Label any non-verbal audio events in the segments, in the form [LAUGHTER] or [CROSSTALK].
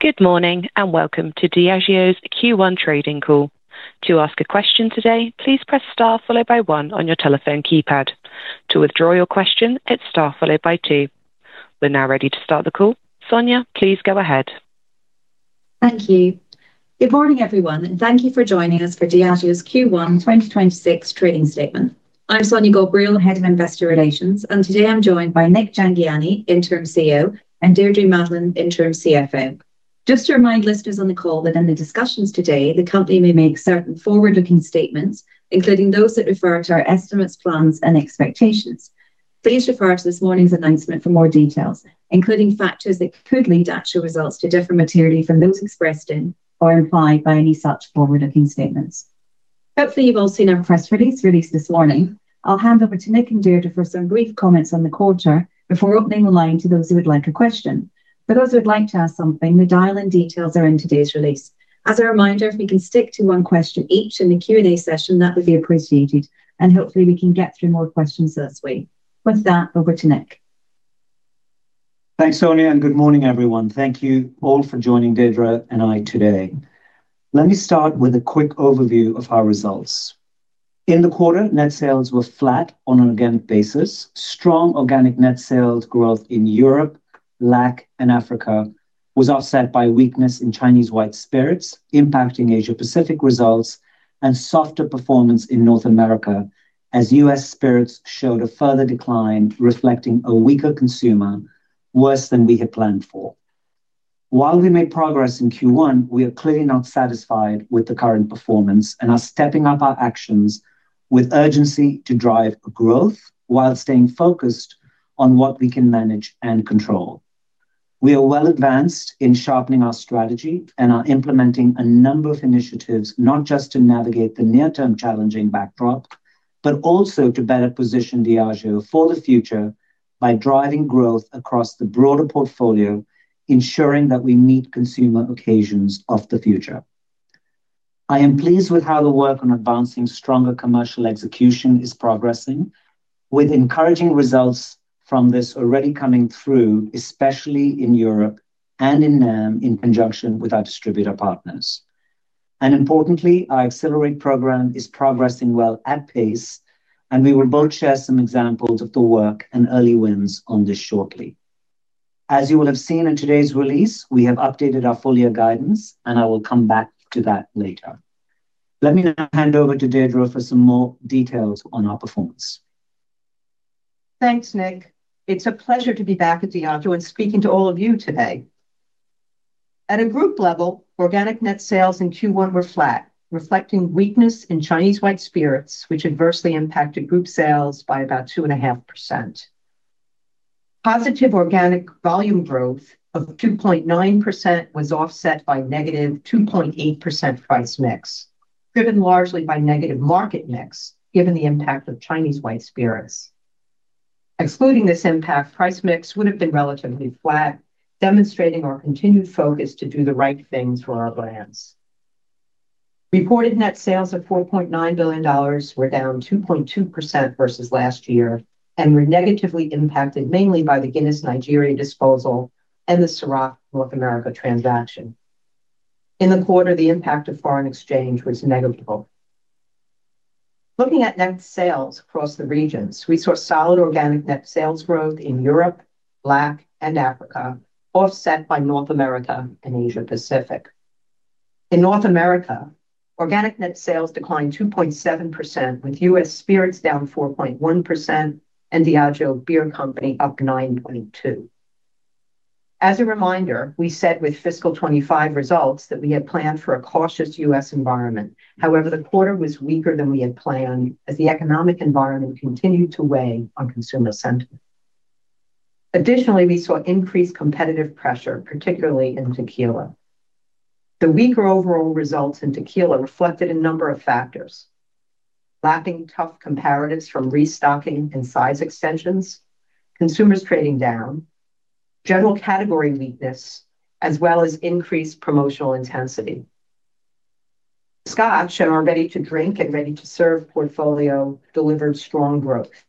Good morning and welcome to Diageo's Q1 Trading Call. To ask a question today, please press star followed by one on your telephone keypad. To withdraw your question, hit star followed by two. We're now ready to start the call. Sonya, please go ahead. Thank you. Good morning, everyone, and thank you for joining us for Diageo's Q1 2026 trading statement. I'm Sonya Ghobrial, Head of Investor Relations, and today I'm joined by Nik Jhangiani, Interim CEO, and Deirdre Mahlan, Interim CFO. Just to remind listeners on the call that in the discussions today, the company may make certain forward-looking statements, including those that refer to our estimates, plans, and expectations. Please refer to this morning's announcement for more details, including factors that could lead actual results to differ materially from those expressed in or implied by any such forward-looking statements. Hopefully, you've all seen our press release released this morning. I'll hand over to Nik and Deirdre for some brief comments on the quarter before opening the line to those who would like a question. For those who would like to ask something, the dial-in details are in today's release. As a reminder, if we can stick to one question each in the Q&A session, that would be appreciated, and hopefully we can get through more questions this way. With that, over to Nik. Thanks, Sonya, and good morning, everyone. Thank you all for joining Deirdre and I today. Let me start with a quick overview of our results. In the quarter, net sales were flat on an organic basis. Strong organic net sales growth in Europe, LAC, and Africa was offset by weakness in Chinese white spirits, impacting Asia-Pacific results, and softer performance in North America as U.S. spirits showed a further decline, reflecting a weaker consumer, worse than we had planned for. While we made progress in Q1, we are clearly not satisfied with the current performance and are stepping up our actions with urgency to drive growth while staying focused on what we can manage and control. We are well-advanced in sharpening our strategy and are implementing a number of initiatives, not just to navigate the near-term challenging backdrop, but also to better position Diageo for the future by driving growth across the broader portfolio, ensuring that we meet consumer occasions of the future. I am pleased with how the work on advancing stronger commercial execution is progressing, with encouraging results from this already coming through, especially in Europe and in NAM in conjunction with our distributor partners. Importantly, our Accelerate programme is progressing well at pace, and we will both share some examples of the work and early wins on this shortly. As you will have seen in today's release, we have updated our full guidance, and I will come back to that later. Let me now hand over to Deirdre for some more details on our performance. Thanks, Nik. It's a pleasure to be back at Diageo and speaking to all of you today. At a group level, organic net sales in Q1 were flat, reflecting weakness in Chinese white spirits, which adversely impacted group sales by about 2.5%. Positive organic volume growth of 2.9% was offset by negative 2.8% price mix, driven largely by negative market mix, given the impact of Chinese white spirits. Excluding this impact, price mix would have been relatively flat, demonstrating our continued focus to do the right things for our brands. Reported net sales of $4.9 billion were down 2.2% versus last year and were negatively impacted mainly by the Guinness Nigeria disposal and the Shiraz North America transaction. In the quarter, the impact of foreign exchange was negligible. Looking at net sales across the regions, we saw solid organic net sales growth in Europe, LAC, and Africa, offset by North America and Asia-Pacific. In North America, organic net sales declined 2.7%, with U.S. spirits down 4.1% and Diageo Beer Company up 9.2%. As a reminder, we said with fiscal 2025 results that we had planned for a cautious U.S. environment. However, the quarter was weaker than we had planned as the economic environment continued to weigh on consumer sentiment. Additionally, we saw increased competitive pressure, particularly in tequila. The weaker overall results in tequila reflected a number of factors, lacking tough comparatives from restocking and size extensions, consumers trading down. General category weakness, as well as increased promotional intensity. Scotch, in our ready-to-drink and ready-to-serve portfolio, delivered strong growth.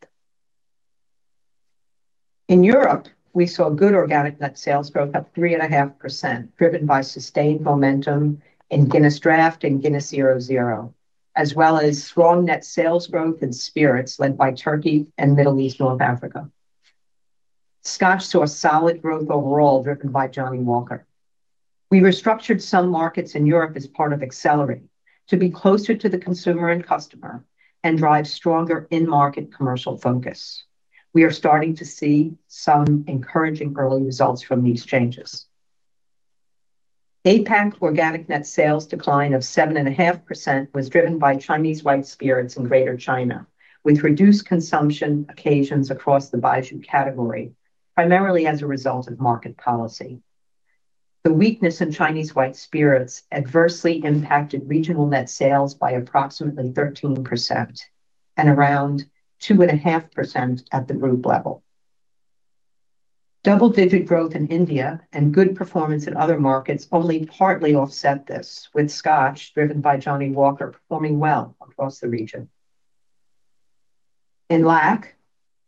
In Europe, we saw good organic net sales growth of 3.5%, driven by sustained momentum in Guinness Draught and Guinness 0.0, as well as strong net sales growth in spirits led by Turkey and Middle East North Africa. Scotch saw solid growth overall, driven by Johnnie Walker. We restructured some markets in Europe as part of Accelerate to be closer to the consumer and customer and drive stronger in-market commercial focus. We are starting to see some encouraging early results from these changes. APAC organic net sales decline of 7.5% was driven by Chinese white spirits in Greater China, with reduced consumption occasions across the Baijiu category, primarily as a result of market policy. The weakness in Chinese white spirits adversely impacted regional net sales by approximately 13%. Around 2.5% at the group level. Double-digit growth in India and good performance in other markets only partly offset this, with Scotch driven by Johnnie Walker performing well across the region. In LAC,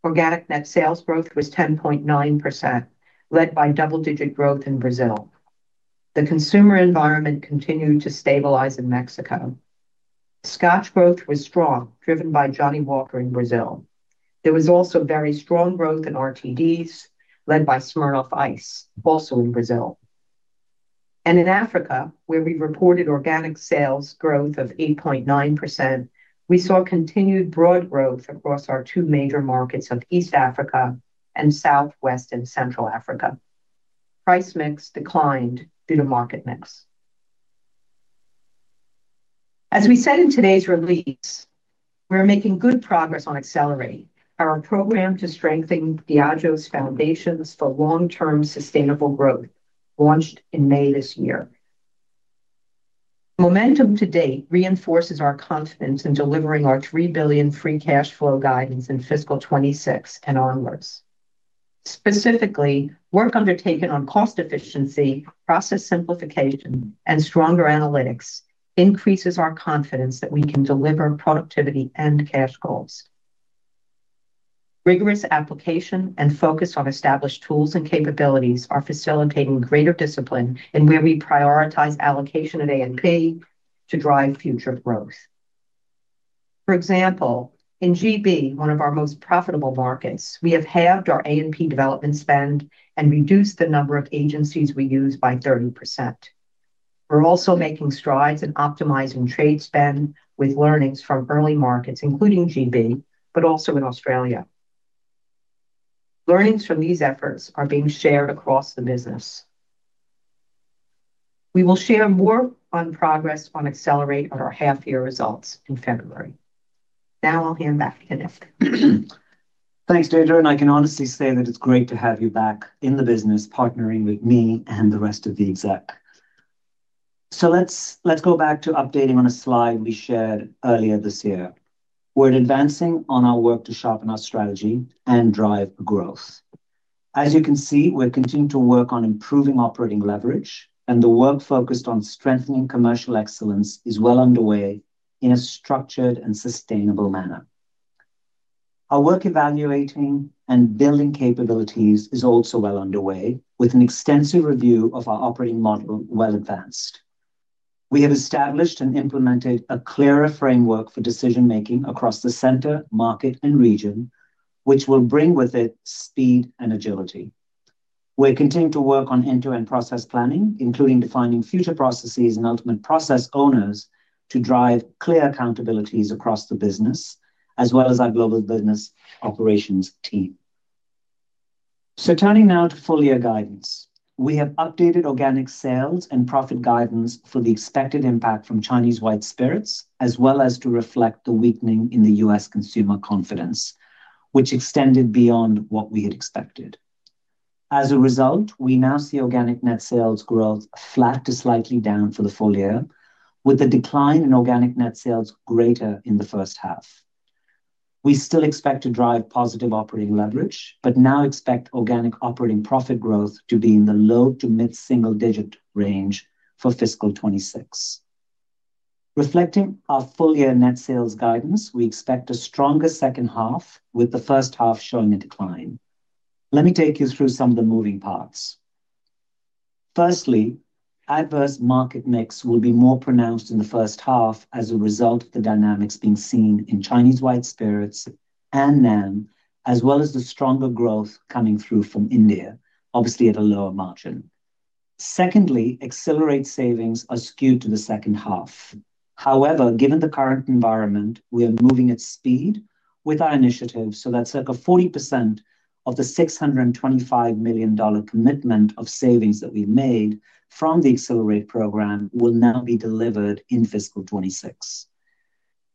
organic net sales growth was 10.9%, led by double-digit growth in Brazil. The consumer environment continued to stabilize in Mexico. Scotch growth was strong, driven by Johnnie Walker in Brazil. There was also very strong growth in RTDs, led by Smirnoff Ice, also in Brazil. In Africa, where we reported organic sales growth of 8.9%, we saw continued broad growth across our two major markets of East Africa and Southwest and Central Africa. Price mix declined due to market mix. As we said in today's release, we're making good progress on Accelerate, our programme to strengthen Diageo's foundations for long-term sustainable growth, launched in May this year. Momentum to date reinforces our confidence in delivering our $3 billion free cash flow guidance in fiscal 2026 and onwards. Specifically, work undertaken on cost efficiency, process simplification, and stronger analytics increases our confidence that we can deliver productivity and cash goals. Rigorous application and focus on established tools and capabilities are facilitating greater discipline in where we prioritize allocation of A&P to drive future growth. For example, in GB, one of our most profitable markets, we have halved our A&P development spend and reduced the number of agencies we use by 30%. We're also making strides in optimizing trade spend with learnings from early markets, including GB, but also in Australia. Learnings from these efforts are being shared across the business. We will share more on progress on Accelerate on our half-year results in February. Now I'll hand back to Nik. Thanks, Deirdre, and I can honestly say that it's great to have you back in the business, partnering with me and the rest of the exec. Let's go back to updating on a slide we shared earlier this year. We're advancing on our work to sharpen our strategy and drive growth. As you can see, we're continuing to work on improving operating leverage, and the work focused on strengthening commercial excellence is well underway in a structured and sustainable manner. Our work evaluating and building capabilities is also well underway, with an extensive review of our operating model well-advanced. We have established and implemented a clearer framework for decision-making across the center, market, and region, which will bring with it speed and agility. We're continuing to work on end-to-end process planning, including defining future processes and ultimate process owners to drive clear accountabilities across the business, as well as our global business operations team. Turning now to fiscal guidance, we have updated organic sales and profit guidance for the expected impact from Chinese white spirits, as well as to reflect the weakening in U.S. consumer confidence, which extended beyond what we had expected. As a result, we now see organic net sales growth flat to slightly down for the fiscal year, with the decline in organic net sales greater in the first half. We still expect to drive positive operating leverage, but now expect organic operating profit growth to be in the low to mid-single-digit range for fiscal 2026. Reflecting our fiscal net sales guidance, we expect a stronger second half, with the first half showing a decline. Let me take you through some of the moving parts. Firstly, adverse market mix will be more pronounced in the first half as a result of the dynamics being seen in Chinese white spirits and NAM, as well as the stronger growth coming through from India, obviously at a lower margin. Secondly, Accelerate savings are skewed to the second half. However, given the current environment, we are moving at speed with our initiative, so that circa 40% of the $625 million commitment of savings that we made from the Accelerate programme will now be delivered in fiscal 2026.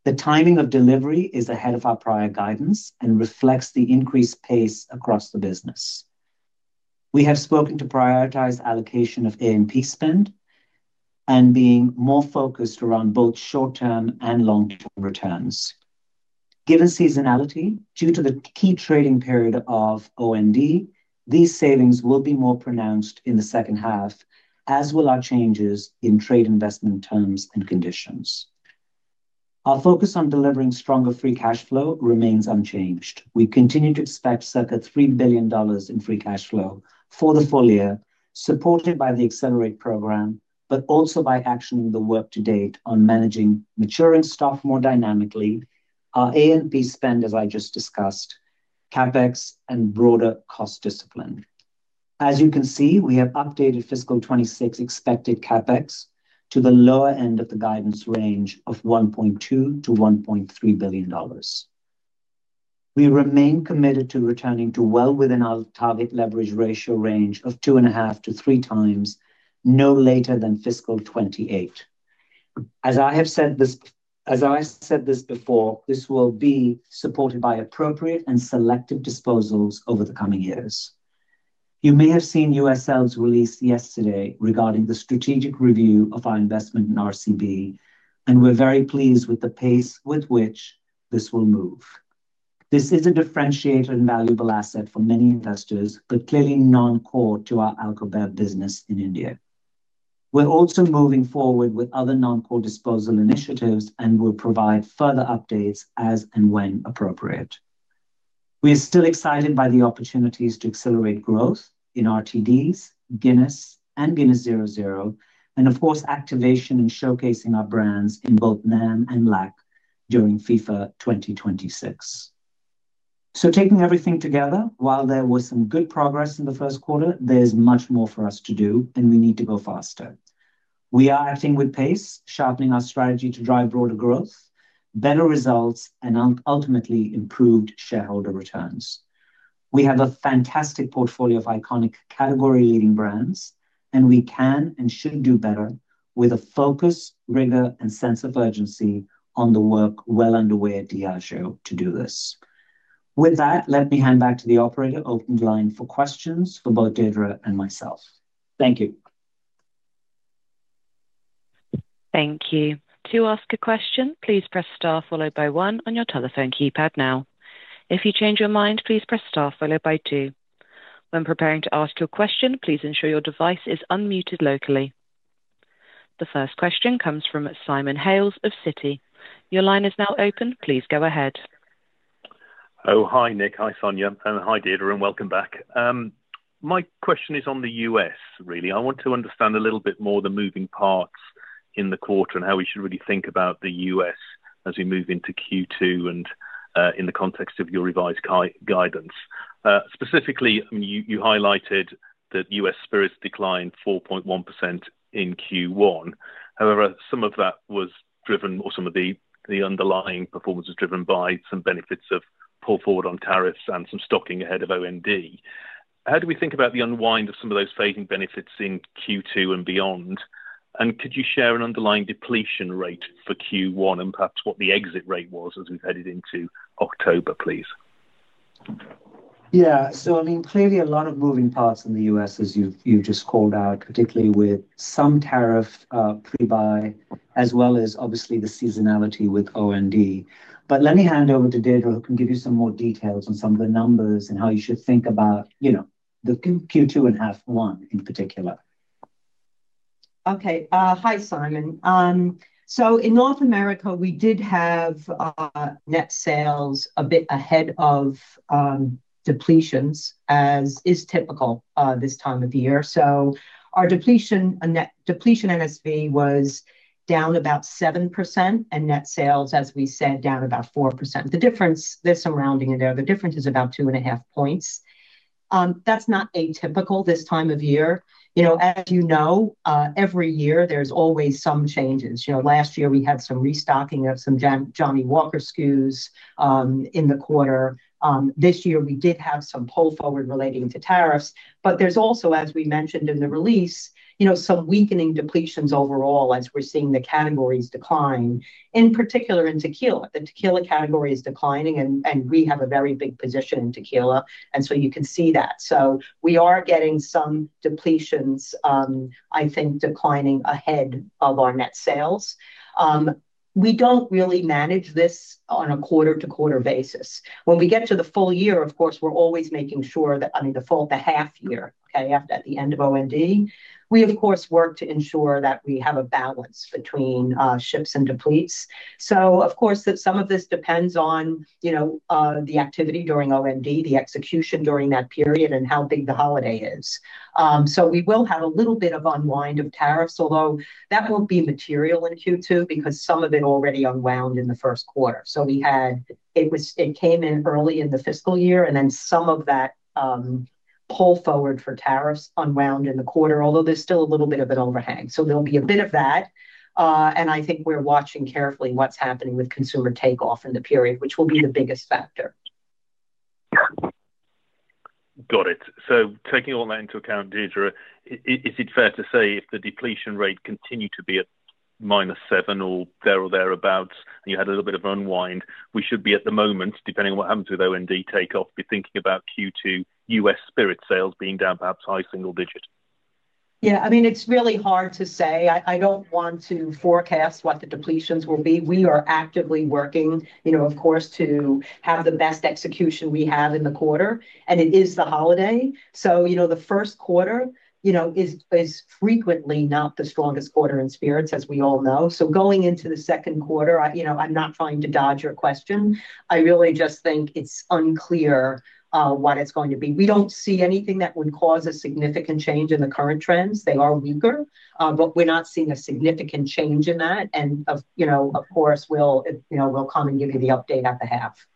The timing of delivery is ahead of our prior guidance and reflects the increased pace across the business. We have spoken to prioritize allocation of A&P spend. And being more focused around both short-term and long-term returns. Given seasonality, due to the key trading period of O&D, these savings will be more pronounced in the second half, as will our changes in trade investment terms and conditions. Our focus on delivering stronger free cash flow remains unchanged. We continue to expect circa $3 billion in free cash flow for the fiscal year, supported by the Accelerate programme, but also by actioning the work to date on managing maturing stock more dynamically, our A&P spend, as I just discussed, CapEx, and broader cost discipline. As you can see, we have updated fiscal 2026 expected CapEx to the lower end of the guidance range of $1.2 billion-$1.3 billion. We remain committed to returning to well within our target leverage ratio range of 2.5x-3x, no later than fiscal 2028. As I have said this before, this will be supported by appropriate and selective disposals over the coming years. You may have seen USL's release yesterday regarding the strategic review of our investment in RCB, and we're very pleased with the pace with which this will move. This is a differentiated and valuable asset for many investors, but clearly non-core to our [AUDIO DISTORTION] business in India. We're also moving forward with other non-core disposal initiatives and will provide further updates as and when appropriate. We are still excited by the opportunities to accelerate growth in RTDs, Guinness, and Guinness 0.0, and of course, activation and showcasing our brands in both NAM and LAC during FIFA 2026. Taking everything together, while there was some good progress in the first quarter, there's much more for us to do, and we need to go faster. We are acting with pace, sharpening our strategy to drive broader growth, better results, and ultimately improved shareholder returns. We have a fantastic portfolio of iconic category-leading brands, and we can and should do better with a focus, rigor, and sense of urgency on the work well underway at Diageo to do this. With that, let me hand back to the operator open line for questions for both Deirdre and myself. Thank you. Thank you. To ask a question, please press star followed by one on your telephone keypad now. If you change your mind, please press star followed by two. When preparing to ask your question, please ensure your device is unmuted locally. The first question comes from Simon Hales of Citi. Your line is now open. Please go ahead. Oh, hi, Nik. Hi, Sonya. Hi, Deirdre, and welcome back. My question is on the U.S., really. I want to understand a little bit more the moving parts in the quarter and how we should really think about the U.S. as we move into Q2 and in the context of your revised guidance. Specifically, you highlighted that U.S. spirits declined 4.1% in Q1. However, some of that was driven, or some of the underlying performance was driven by some benefits of pull forward on tariffs and some stocking ahead of O&D. How do we think about the unwind of some of those fading benefits in Q2 and beyond? Could you share an underlying depletion rate for Q1 and perhaps what the exit rate was as we've headed into October, please? Yeah. So, I mean, clearly a lot of moving parts in the U.S., as you've just called out, particularly with some tariff prebuy, as well as obviously the seasonality with O&D. Let me hand over to Deirdre, who can give you some more details on some of the numbers and how you should think about the Q2 and half one in particular. Okay. Hi, Simon. In North America, we did have net sales a bit ahead of depletions, as is typical this time of the year. Our depletion NSV was down about 7%, and net sales, as we said, down about 4%. The difference, there's some rounding in there. The difference is about 2.5 points. That's not atypical this time of year. As you know, every year there's always some changes. Last year, we had some restocking of some Johnnie Walker SKUs in the quarter. This year, we did have some pull forward relating to tariffs. There's also, as we mentioned in the release, some weakening depletions overall as we're seeing the categories decline, in particular in tequila. The tequila category is declining, and we have a very big position in tequila, and you can see that. We are getting some depletions, I think, declining ahead of our net sales. We do not really manage this on a quarter-to-quarter basis. When we get to the full year, of course, we are always making sure that, I mean, the full, the half year, okay, after at the end of O&D, we, of course, work to ensure that we have a balance between ships and depletes. Some of this depends on the activity during O&D, the execution during that period, and how big the holiday is. We will have a little bit of unwind of tariffs, although that will not be material in Q2 because some of it already unwound in the first quarter. It came in early in the fiscal year, and then some of that. Pull forward for tariffs unwound in the quarter, although there's still a little bit of an overhang. There'll be a bit of that. I think we're watching carefully what's happening with consumer takeoff in the period, which will be the biggest factor. Got it. Taking all that into account, Deirdre, is it fair to say if the depletion rate continued to be at -7% or there or thereabouts, and you had a little bit of unwind, we should be at the moment, depending on what happens with O&D takeoff, be thinking about Q2 U.S. spirit sales being down perhaps high single digit? Yeah. I mean, it's really hard to say. I don't want to forecast what the depletions will be. We are actively working, of course, to have the best execution we have in the quarter, and it is the holiday. The first quarter is frequently not the strongest quarter in spirits, as we all know. Going into the second quarter, I'm not trying to dodge your question. I really just think it's unclear what it's going to be. We don't see anything that would cause a significant change in the current trends. They are weaker, but we're not seeing a significant change in that. Of course, we'll come and give you the update at the half.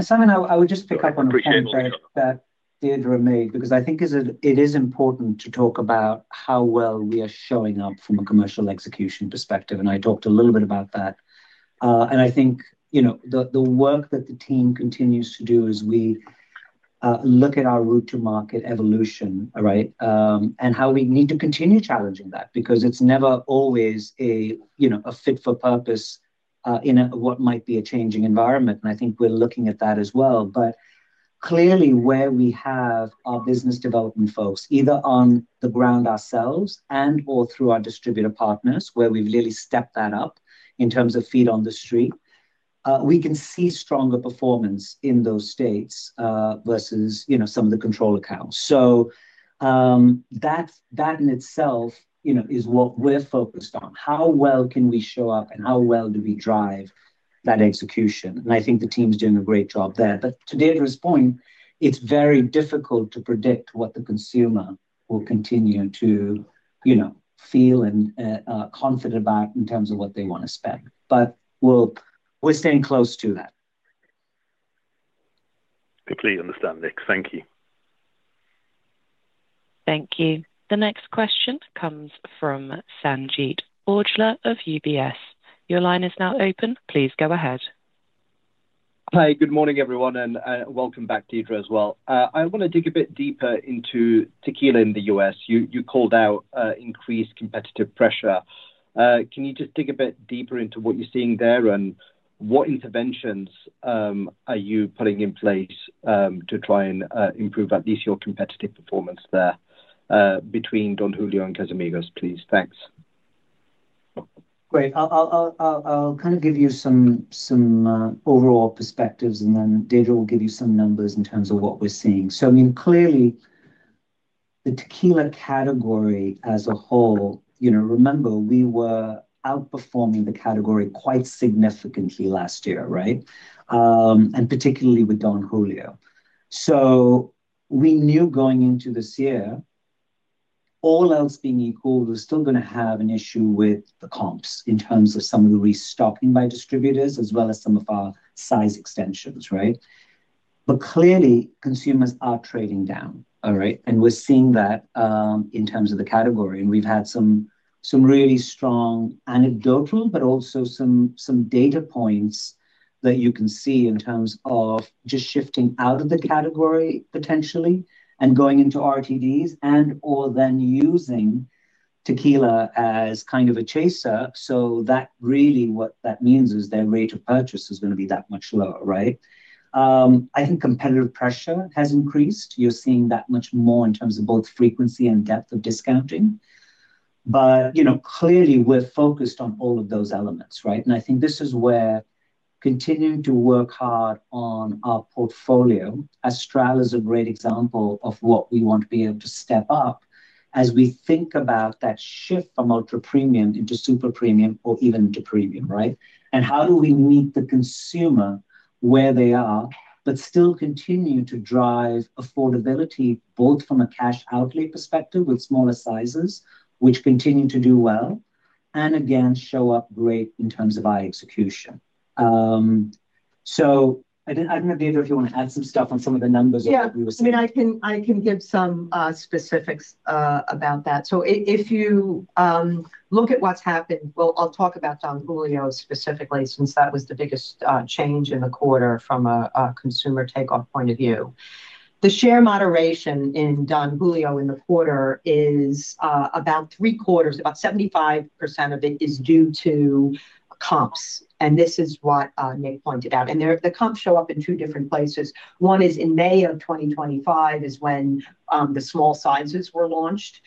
Simon, I would just pick up on a point that Deirdre made, because I think it is important to talk about how well we are showing up from a commercial execution perspective. I talked a little bit about that. I think the work that the team continues to do as we look at our route to market evolution, right, and how we need to continue challenging that, because it is never always a fit for purpose in what might be a changing environment. I think we are looking at that as well. Clearly, where we have our business development folks, either on the ground ourselves and/or through our distributor partners, where we have really stepped that up in terms of feet on the street, we can see stronger performance in those states versus some of the control accounts. That in itself is what we are focused on. How well can we show up and how well do we drive that execution? I think the team's doing a great job there. To Deirdre's point, it's very difficult to predict what the consumer will continue to feel and confident about in terms of what they want to spend. We're staying close to that. Completely understand, Nik. Thank you. Thank you. The next question comes from Sanjeet Aujla of UBS. Your line is now open. Please go ahead. Hi, good morning, everyone, and welcome back, Deirdre, as well. I want to dig a bit deeper into tequila in the U.S. You called out increased competitive pressure. Can you just dig a bit deeper into what you're seeing there and what interventions are you putting in place to try and improve at least your competitive performance there between Don Julio and Casamigos, please? Thanks. Great. I'll kind of give you some overall perspectives, and then Deirdre will give you some numbers in terms of what we're seeing. I mean, clearly, the tequila category as a whole, remember, we were outperforming the category quite significantly last year, right? Particularly with Don Julio. We knew going into this year, all else being equal, we're still going to have an issue with the comps in terms of some of the restocking by distributors, as well as some of our size extensions, right? Clearly, consumers are trading down, all right? We're seeing that in terms of the category. We've had some really strong anecdotal, but also some data points that you can see in terms of just shifting out of the category potentially and going into RTDs and/or then using tequila as kind of a chaser. That really what that means is their rate of purchase is going to be that much lower, right? I think competitive pressure has increased. You're seeing that much more in terms of both frequency and depth of discounting. Clearly, we're focused on all of those elements, right? I think this is where. Continuing to work hard on our portfolio, Astral is a great example of what we want to be able to step up as we think about that shift from ultra premium into super premium or even into premium, right? How do we meet the consumer where they are, but still continue to drive affordability both from a cash outlay perspective with smaller sizes, which continue to do well, and again, show up great in terms of our execution? I don't know, Deirdre, if you want to add some stuff on some of the numbers that we were seeing. Yeah. I mean, I can give some specifics about that. If you look at what's happened, I'll talk about Don Julio specifically since that was the biggest change in the quarter from a consumer takeoff point of view. The share moderation in Don Julio in the quarter is about 3/4, about 75% of it is due to comps. This is what Nik pointed out. The comps show up in two different places. One is in May of 2025, which is when the small sizes were launched.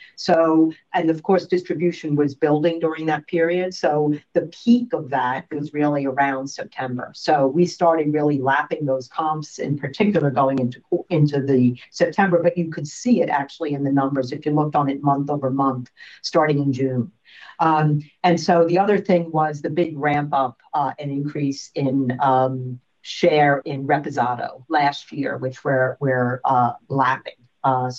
Of course, distribution was building during that period. The peak of that was really around September. We started really lapping those comps in particular going into September, but you could see it actually in the numbers if you looked on it month over month starting in June. The other thing was the big ramp-up and increase in share in Reposado last year, which we're lapping.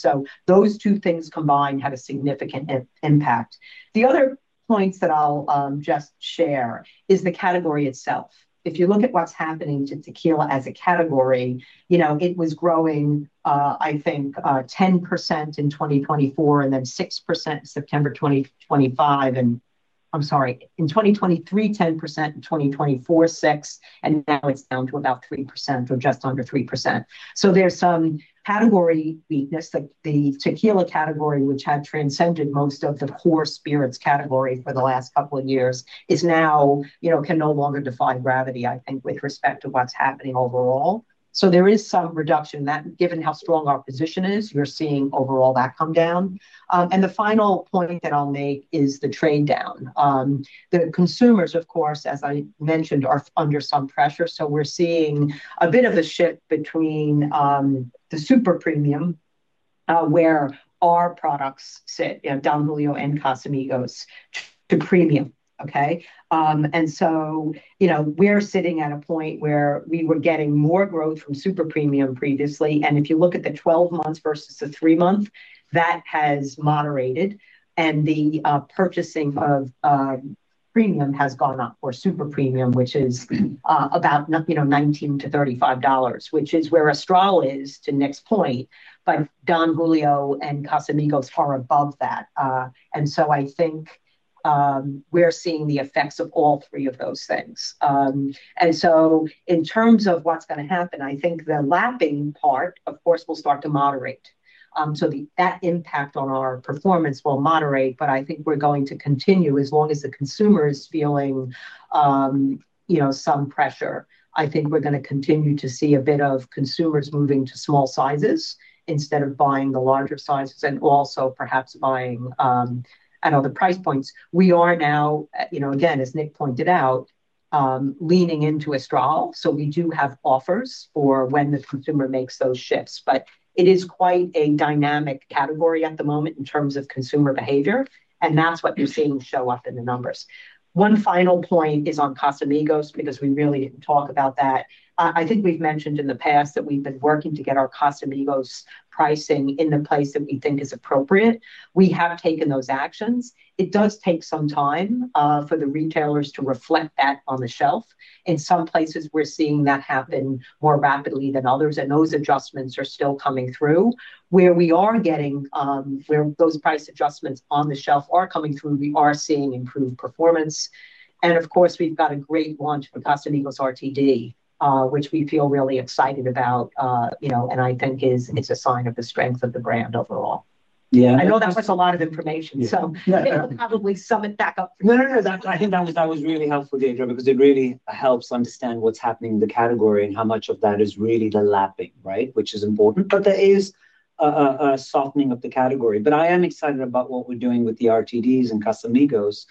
Those two things combined had a significant impact. The other points that I'll just share is the category itself. If you look at what's happening to tequila as a category, it was growing, I think, 10% in 2023, 6% in 2024, and now it's down to about 3% or just under 3%. There is some category weakness. The tequila category, which had transcended most of the core spirits category for the last couple of years, can no longer defy gravity, I think, with respect to what's happening overall. There is some reduction. Given how strong our position is, you're seeing overall that come down. The final point that I'll make is the trade down. The consumers, of course, as I mentioned, are under some pressure. We are seeing a bit of a shift between the super premium, where our products sit, Don Julio and Casamigos, to premium, okay? We are sitting at a point where we were getting more growth from super premium previously. If you look at the 12 months versus the three month, that has moderated. The purchasing of premium has gone up for super premium, which is about $19-$35, which is where Astral is, to Nik's point, but Don Julio and Casamigos are above that. I think we are seeing the effects of all three of those things. In terms of what is going to happen, I think the lapping part, of course, will start to moderate. That impact on our performance will moderate, but I think we're going to continue as long as the consumer is feeling some pressure. I think we're going to continue to see a bit of consumers moving to small sizes instead of buying the larger sizes and also perhaps buying, I don't know, the price points. We are now, again, as Nik pointed out, leaning into Astral. We do have offers for when the consumer makes those shifts. It is quite a dynamic category at the moment in terms of consumer behavior. That's what you're seeing show up in the numbers. One final point is on Casamigos because we really didn't talk about that. I think we've mentioned in the past that we've been working to get our Casamigos pricing in the place that we think is appropriate. We have taken those actions. It does take some time for the retailers to reflect that on the shelf. In some places, we're seeing that happen more rapidly than others. Those adjustments are still coming through. Where we are getting those price adjustments on the shelf coming through, we are seeing improved performance. Of course, we've got a great launch for Casamigos RTD, which we feel really excited about. I think it is a sign of the strength of the brand overall. Yeah. I know that was a lot of information, so I'll probably sum it back up for you. No, no, no. I think that was really helpful, Deirdre, because it really helps understand what's happening in the category and how much of that is really the lapping, right, which is important. There is a softening of the category. I am excited about what we're doing with the RTDs and Casamigos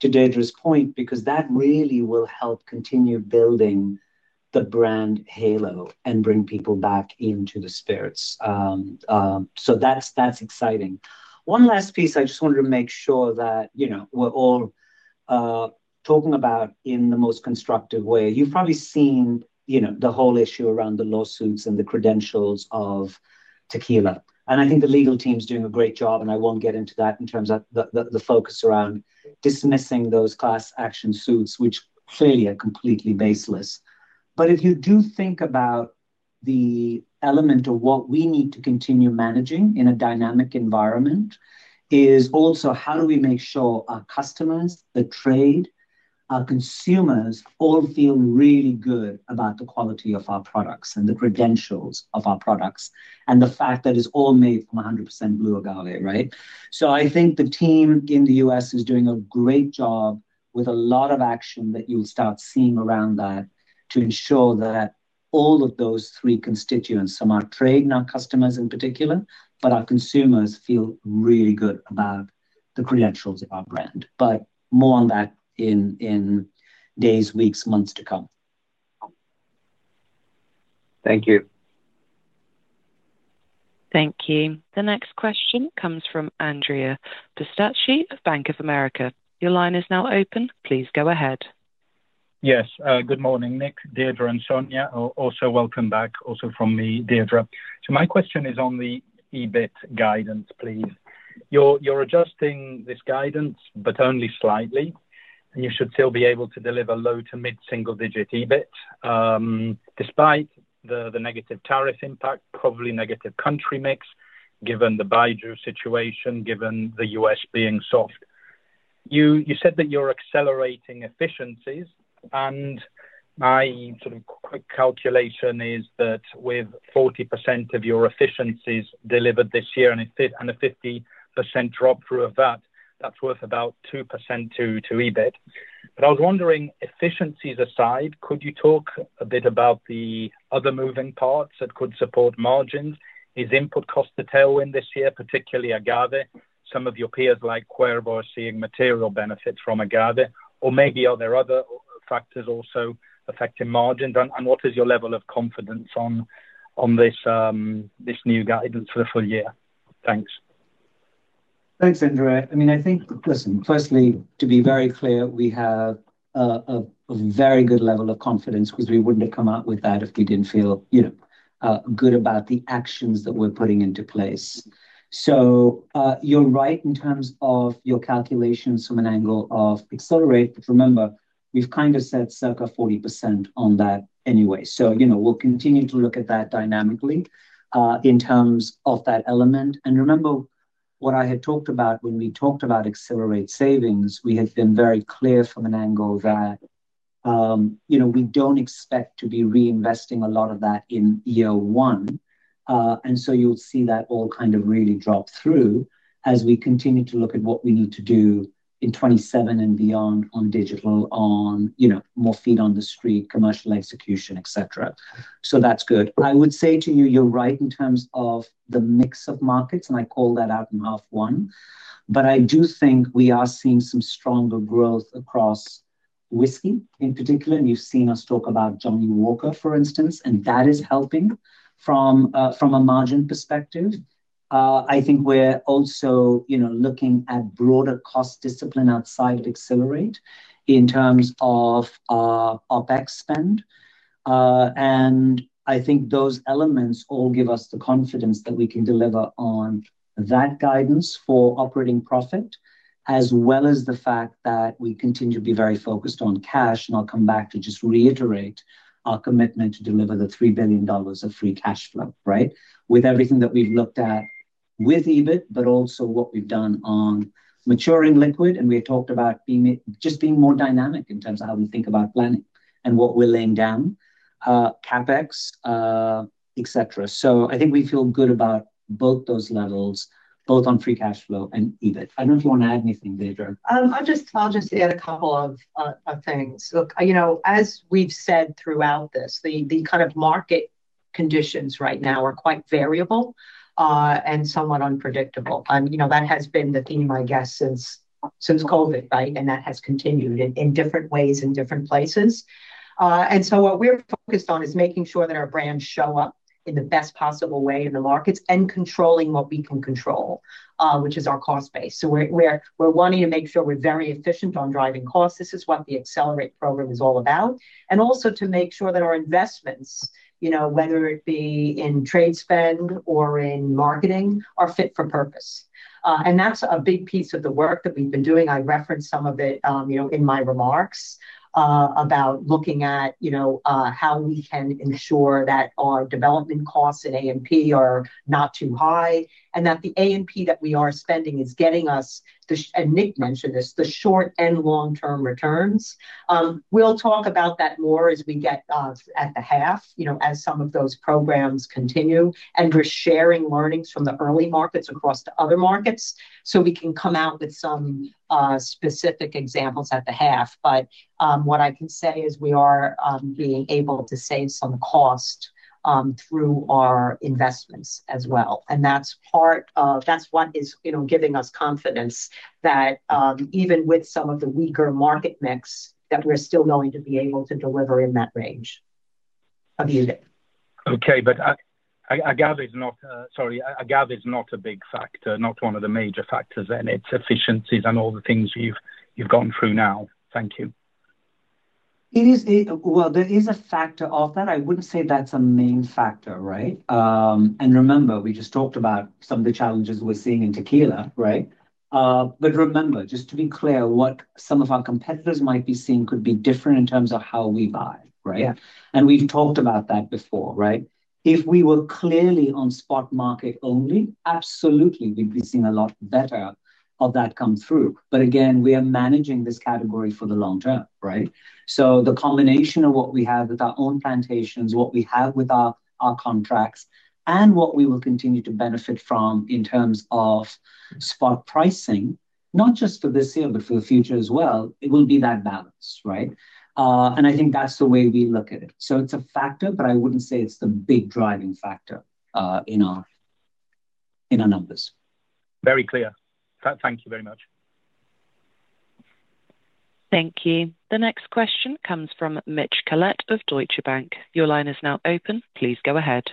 to Deirdre's point, because that really will help continue building the brand Halo and bring people back into the spirits. That's exciting. One last piece, I just wanted to make sure that we're all talking about in the most constructive way. You've probably seen the whole issue around the lawsuits and the credentials of tequila. I think the legal team's doing a great job, and I won't get into that in terms of the focus around dismissing those class action suits, which clearly are completely baseless. If you do think about the element of what we need to continue managing in a dynamic environment, is also how do we make sure our customers, the trade, our consumers all feel really good about the quality of our products and the credentials of our products and the fact that it's all made from 100% blue agave, right? I think the team in the U.S. is doing a great job with a lot of action that you'll start seeing around that to ensure that all of those three constituents, some are trade, not customers in particular, but our consumers feel really good about the credentials of our brand. More on that in days, weeks, months to come. Thank you. Thank you. The next question comes from Andrea Pistacchi of Bank of America. Your line is now open. Please go ahead. Yes. Good morning, Nik, Deirdre, and Sonya. Also welcome back, also from me, Deirdre. My question is on the EBIT guidance, please. You're adjusting this guidance, but only slightly. You should still be able to deliver low to mid-single-digit EBIT, despite the negative tariff impact, probably negative country mix, given the Baijiu situation, given the U.S. being soft. You said that you're accelerating efficiencies. My sort of quick calculation is that with 40% of your efficiencies delivered this year and a 50% drop through of that, that's worth about 2% to EBIT. I was wondering, efficiencies aside, could you talk a bit about the other moving parts that could support margins? Is input cost a tailwind this year, particularly agave? Some of your peers like Cuervo are seeing material benefits from agave. Or maybe are there other factors also affecting margins? What is your level of confidence on this new guidance for the full year? Thanks. Thanks, Andrea. I mean, I think, listen, firstly, to be very clear, we have a very good level of confidence because we would not have come out with that if we did not feel good about the actions that we are putting into place. You are right in terms of your calculations from an angle of Accelerate, but remember, we have kind of said circa 40% on that anyway. We will continue to look at that dynamically in terms of that element. Remember what I had talked about when we talked about Accelerate savings, we had been very clear from an angle that we do not expect to be reinvesting a lot of that in year one. You will see that all kind of really drop through as we continue to look at what we need to do in 2027 and beyond on digital, on more feet on the street, commercial execution, etc. That is good. I would say to you, you are right in terms of the mix of markets, and I call that out in half one. I do think we are seeing some stronger growth across whiskey in particular. You have seen us talk about Johnnie Walker, for instance, and that is helping from a margin perspective. I think we are also looking at broader cost discipline outside of Accelerate in terms of OpEx spend. I think those elements all give us the confidence that we can deliver on that guidance for operating profit, as well as the fact that we continue to be very focused on cash. I will come back to just reiterate our commitment to deliver the $3 billion of free cash flow, right? With everything that we have looked at with EBIT, but also what we have done on maturing liquid. We had talked about just being more dynamic in terms of how we think about planning and what we're laying down. CapEx, etc. I think we feel good about both those levels, both on free cash flow and EBIT. I don't know if you want to add anything, Deirdre. I'll just add a couple of things. Look, as we've said throughout this, the kind of market conditions right now are quite variable and somewhat unpredictable. That has been the theme, I guess, since COVID, right? That has continued in different ways in different places. What we're focused on is making sure that our brands show up in the best possible way in the markets and controlling what we can control, which is our cost base. We're wanting to make sure we're very efficient on driving costs. This is what the Accelerate programme is all about. Also, to make sure that our investments, whether it be in trade spend or in marketing, are fit for purpose. That's a big piece of the work that we've been doing. I referenced some of it in my remarks about looking at how we can ensure that our development costs in A&P are not too high and that the A&P that we are spending is getting us, and Nik mentioned this, the short and long-term returns. We will talk about that more as we get at the half, as some of those programs continue and we are sharing learnings from the early markets across the other markets so we can come out with some specific examples at the half. What I can say is we are being able to save some cost through our investments as well. That is what is giving us confidence that even with some of the weaker market mix, we are still going to be able to deliver in that range of EBIT. Okay. Sorry, Agave is not a big factor, not one of the major factors in its efficiencies and all the things you've gone through now. Thank you. There is a factor of that. I would not say that is a main factor, right? Remember, we just talked about some of the challenges we are seeing in tequila, right? Remember, just to be clear, what some of our competitors might be seeing could be different in terms of how we buy, right? We have talked about that before, right? If we were clearly on spot market only, absolutely, we would be seeing a lot better of that come through. Again, we are managing this category for the long-term, right? The combination of what we have with our own plantations, what we have with our contracts, and what we will continue to benefit from in terms of spot pricing, not just for this year, but for the future as well, it will be that balance, right? I think that is the way we look at it. It's a factor, but I wouldn't say it's the big driving factor in our numbers. Very clear. Thank you very much. Thank you. The next question comes from Mitch Collett of Deutsche Bank. Your line is now open. Please go ahead.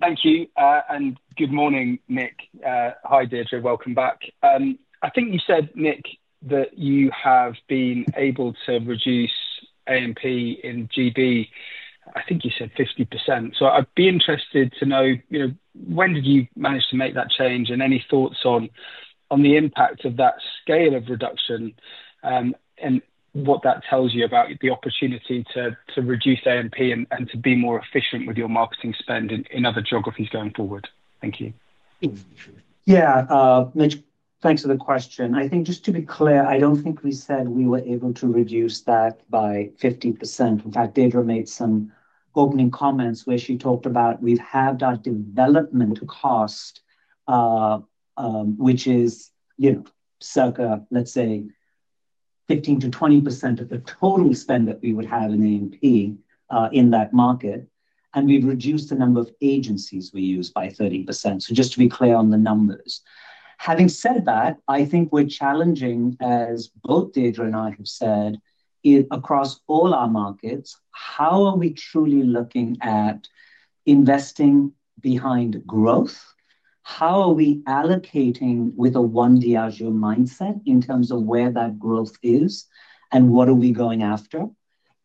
Thank you. And good morning, Nik. Hi, Deirdre. Welcome back. I think you said, Nik, that you have been able to reduce A&P in GB. I think you said 50%. So I'd be interested to know when did you manage to make that change? And any thoughts on the impact of that scale of reduction and what that tells you about the opportunity to reduce A&P and to be more efficient with your marketing spend in other geographies going forward? Thank you. Yeah. Thanks for the question. I think just to be clear, I do not think we said we were able to reduce that by 50%. In fact, Deirdre made some opening comments where she talked about we have had our development cost, which is circa, let's say, 15%-20% of the total spend that we would have in A&P in that market. We have reduced the number of agencies we use by 30%. Just to be clear on the numbers. Having said that, I think we are challenging, as both Deirdre and I have said, across all our markets, how are we truly looking at investing behind growth? How are we allocating with a one-Diageo mindset in terms of where that growth is and what are we going after?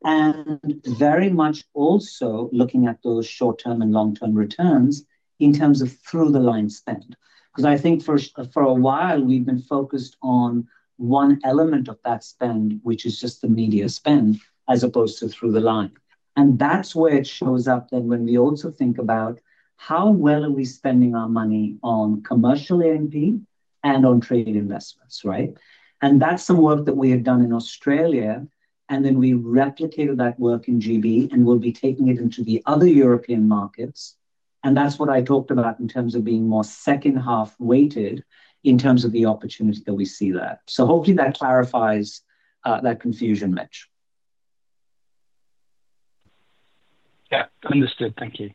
Very much also looking at those short-term and long-term returns in terms of through-the-line spend. Because I think for a while, we've been focused on. One element of that spend, which is just the media spend, as opposed to through-the-line. And that's where it shows up then when we also think about how well are we spending our money on commercial A&P and on trade investments, right? And that's some work that we have done in Australia. And then we replicated that work in GB and will be taking it into the other European markets. And that's what I talked about in terms of being more second-half weighted in terms of the opportunity that we see there. So hopefully that clarifies that confusion, Mitch. Yeah. Understood. Thank you.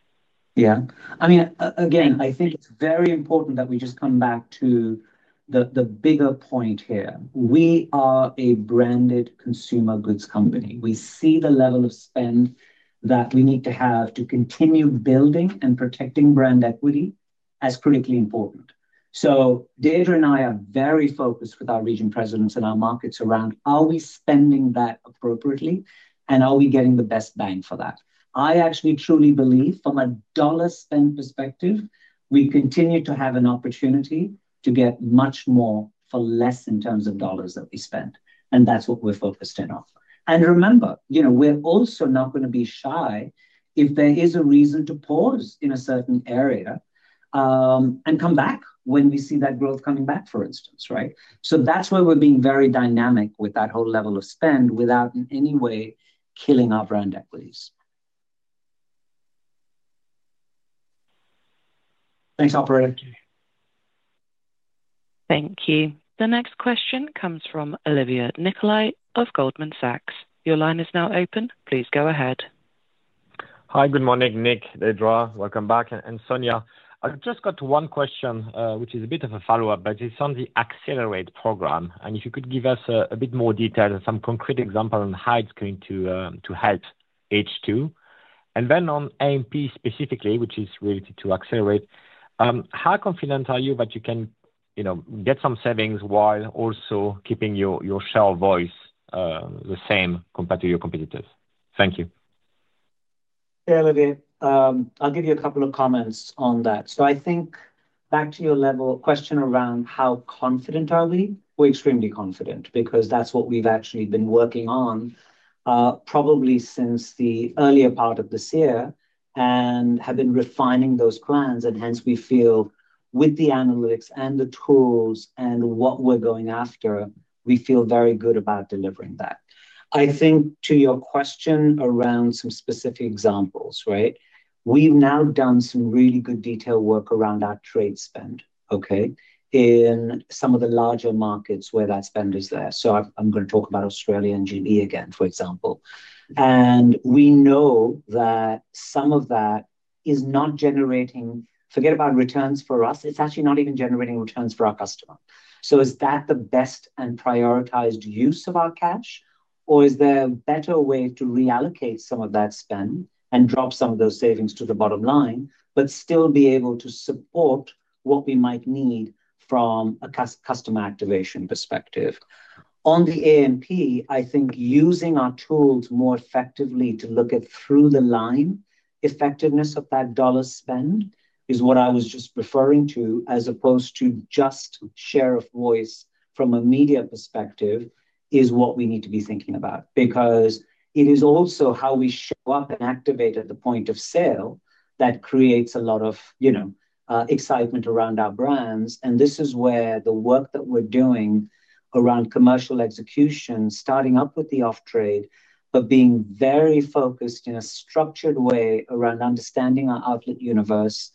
Yeah. I mean, again, I think it's very important that we just come back to the bigger point here. We are a branded consumer goods company. We see the level of spend that we need to have to continue building and protecting brand equity as critically important. So Deirdre and I are very focused with our region presidents and our markets around how are we spending that appropriately and are we getting the best bang for that? I actually truly believe from a dollar spend perspective, we continue to have an opportunity to get much more for less in terms of dollars that we spend. And that's what we're focused in on. And remember, we're also not going to be shy if there is a reason to pause in a certain area. And come back when we see that growth coming back, for instance, right? So that's where we're being very dynamic with that whole level of spend without in any way killing our brand equities. Thanks, operator. Thank you. The next question comes from Olivier Nicolai of Goldman Sachs. Your line is now open. Please go ahead. Hi, good morning, Nik, Deirdre, welcome back. And Sonia, I've just got one question, which is a bit of a follow-up, but it's on the Accelerate programme. And if you could give us a bit more detail and some concrete example on how it's going to help H2. And then on A&P specifically, which is related to Accelerate. How confident are you that you can get some savings while also keeping your share of voice the same compared to your competitors? Thank you. Olivier, I'll give you a couple of comments on that. So I think back to your level, question around how confident are we? We're extremely confident because that's what we've actually been working on probably since the earlier part of this year and have been refining those plans. And hence, we feel with the analytics and the tools and what we're going after, we feel very good about delivering that. I think to your question around some specific examples, right? We've now done some really good detailed work around our trade spend, okay, in some of the larger markets where that spend is there. So I'm going to talk about Australia and GB again, for example. And we know that some of that is not generating, forget about returns for us. It's actually not even generating returns for our customer. So is that the best and prioritized use of our cash? Or is there a better way to reallocate some of that spend and drop some of those savings to the bottom line, but still be able to support what we might need from a customer activation perspective? On the A&P, I think using our tools more effectively to look at through-the-line, effectiveness of that dollar spend is what I was just referring to as opposed to just share of voice from a media perspective is what we need to be thinking about. Because it is also how we show up and activate at the point of sale that creates a lot of excitement around our brands. And this is where the work that we're doing around commercial execution, starting up with the off-trade, but being very focused in a structured way around understanding our outlet universe.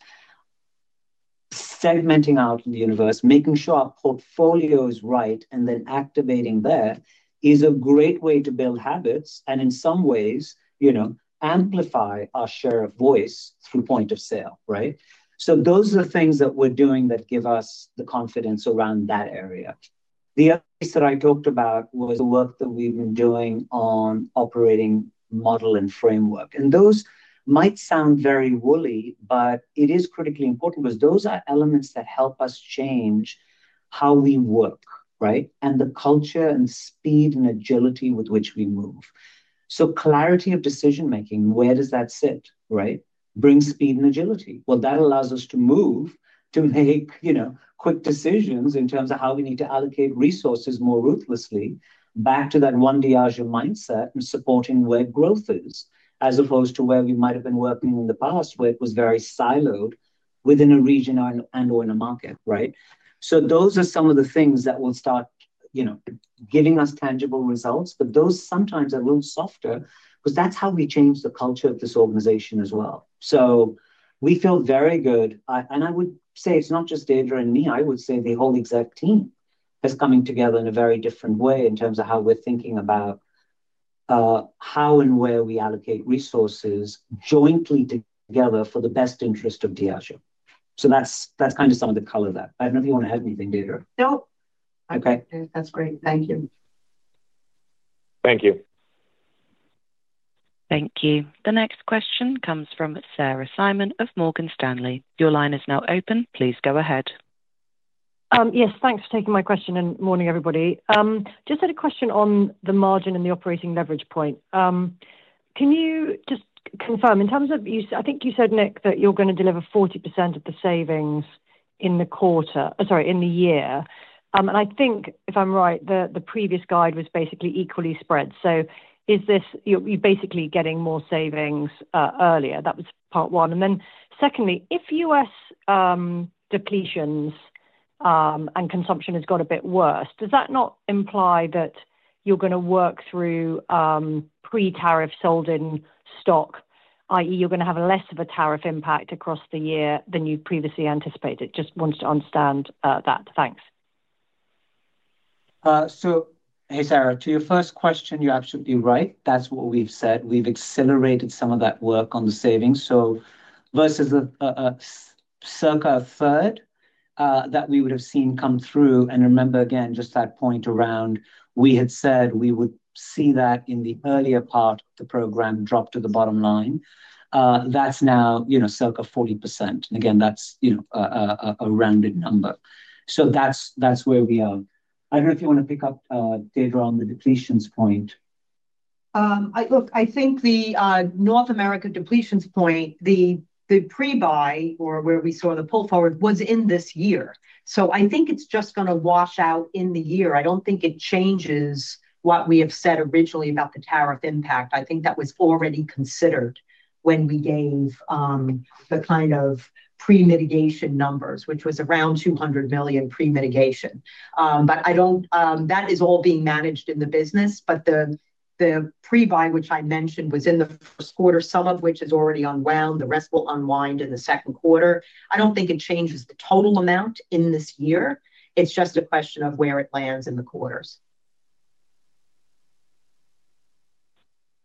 Segmenting out in the universe, making sure our portfolio is right, and then activating there is a great way to build habits and in some ways amplify our share of voice through point of sale, right? So those are the things that we're doing that give us the confidence around that area. The other piece that I talked about was the work that we've been doing on operating model and framework. And those might sound very woolly, but it is critically important because those are elements that help us change how we work, right? And the culture and speed and agility with which we move. So clarity of decision-making, where does that sit, right? Brings speed and agility. That allows us to move to make quick decisions in terms of how we need to allocate resources more ruthlessly back to that one-Diageo mindset and supporting where growth is, as opposed to where we might have been working in the past, where it was very siloed within a region and/or in a market, right? Those are some of the things that will start giving us tangible results, but those sometimes are a little softer because that's how we change the culture of this organization as well. We feel very good. I would say it's not just Deirdre and me. I would say the whole exec team is coming together in a very different way in terms of how we're thinking about how and where we allocate resources jointly together for the best interest of Diageo. That's kind of some of the color there. I don't know if you want to add anything, Deirdre. No. That's great. Thank you. Thank you. Thank you. The next question comes from Sarah Simon of Morgan Stanley. Your line is now open. Please go ahead. Yes, thanks for taking my question and morning, everybody. Just had a question on the margin and the operating leverage point. Can you just confirm in terms of, I think you said, Nik, that you're going to deliver 40% of the savings in the quarter, sorry, in the year. And I think, if I'm right, the previous guide was basically equally spread. So you're basically getting more savings earlier. That was part one. Secondly, if U.S. depletions and consumption has got a bit worse, does that not imply that you're going to work through pre-tariff sold-in stock, i.e., you're going to have less of a tariff impact across the year than you previously anticipated? Just wanted to understand that. Thanks. So hey, Sarah, to your first question, you're absolutely right. That's what we've said. We've accelerated some of that work on the savings. So versus a circa 1/3. That we would have seen come through. And remember, again, just that point around we had said we would see that in the earlier part of the program drop to the bottom line. That's now circa 40%. And again, that's a rounded number. So that's where we are. I don't know if you want to pick up, Deirdre, on the depletions point. Look, I think the North America depletions point, the pre-buy or where we saw the pull forward was in this year. So I think it's just going to wash out in the year. I don't think it changes what we have said originally about the tariff impact. I think that was already considered when we gave the kind of pre-mitigation numbers, which was around $200 million pre-mitigation. But that is all being managed in the business. But the pre-buy, which I mentioned, was in the first quarter, some of which is already unwound. The rest will unwind in the second quarter. I don't think it changes the total amount in this year. It's just a question of where it lands in the quarters.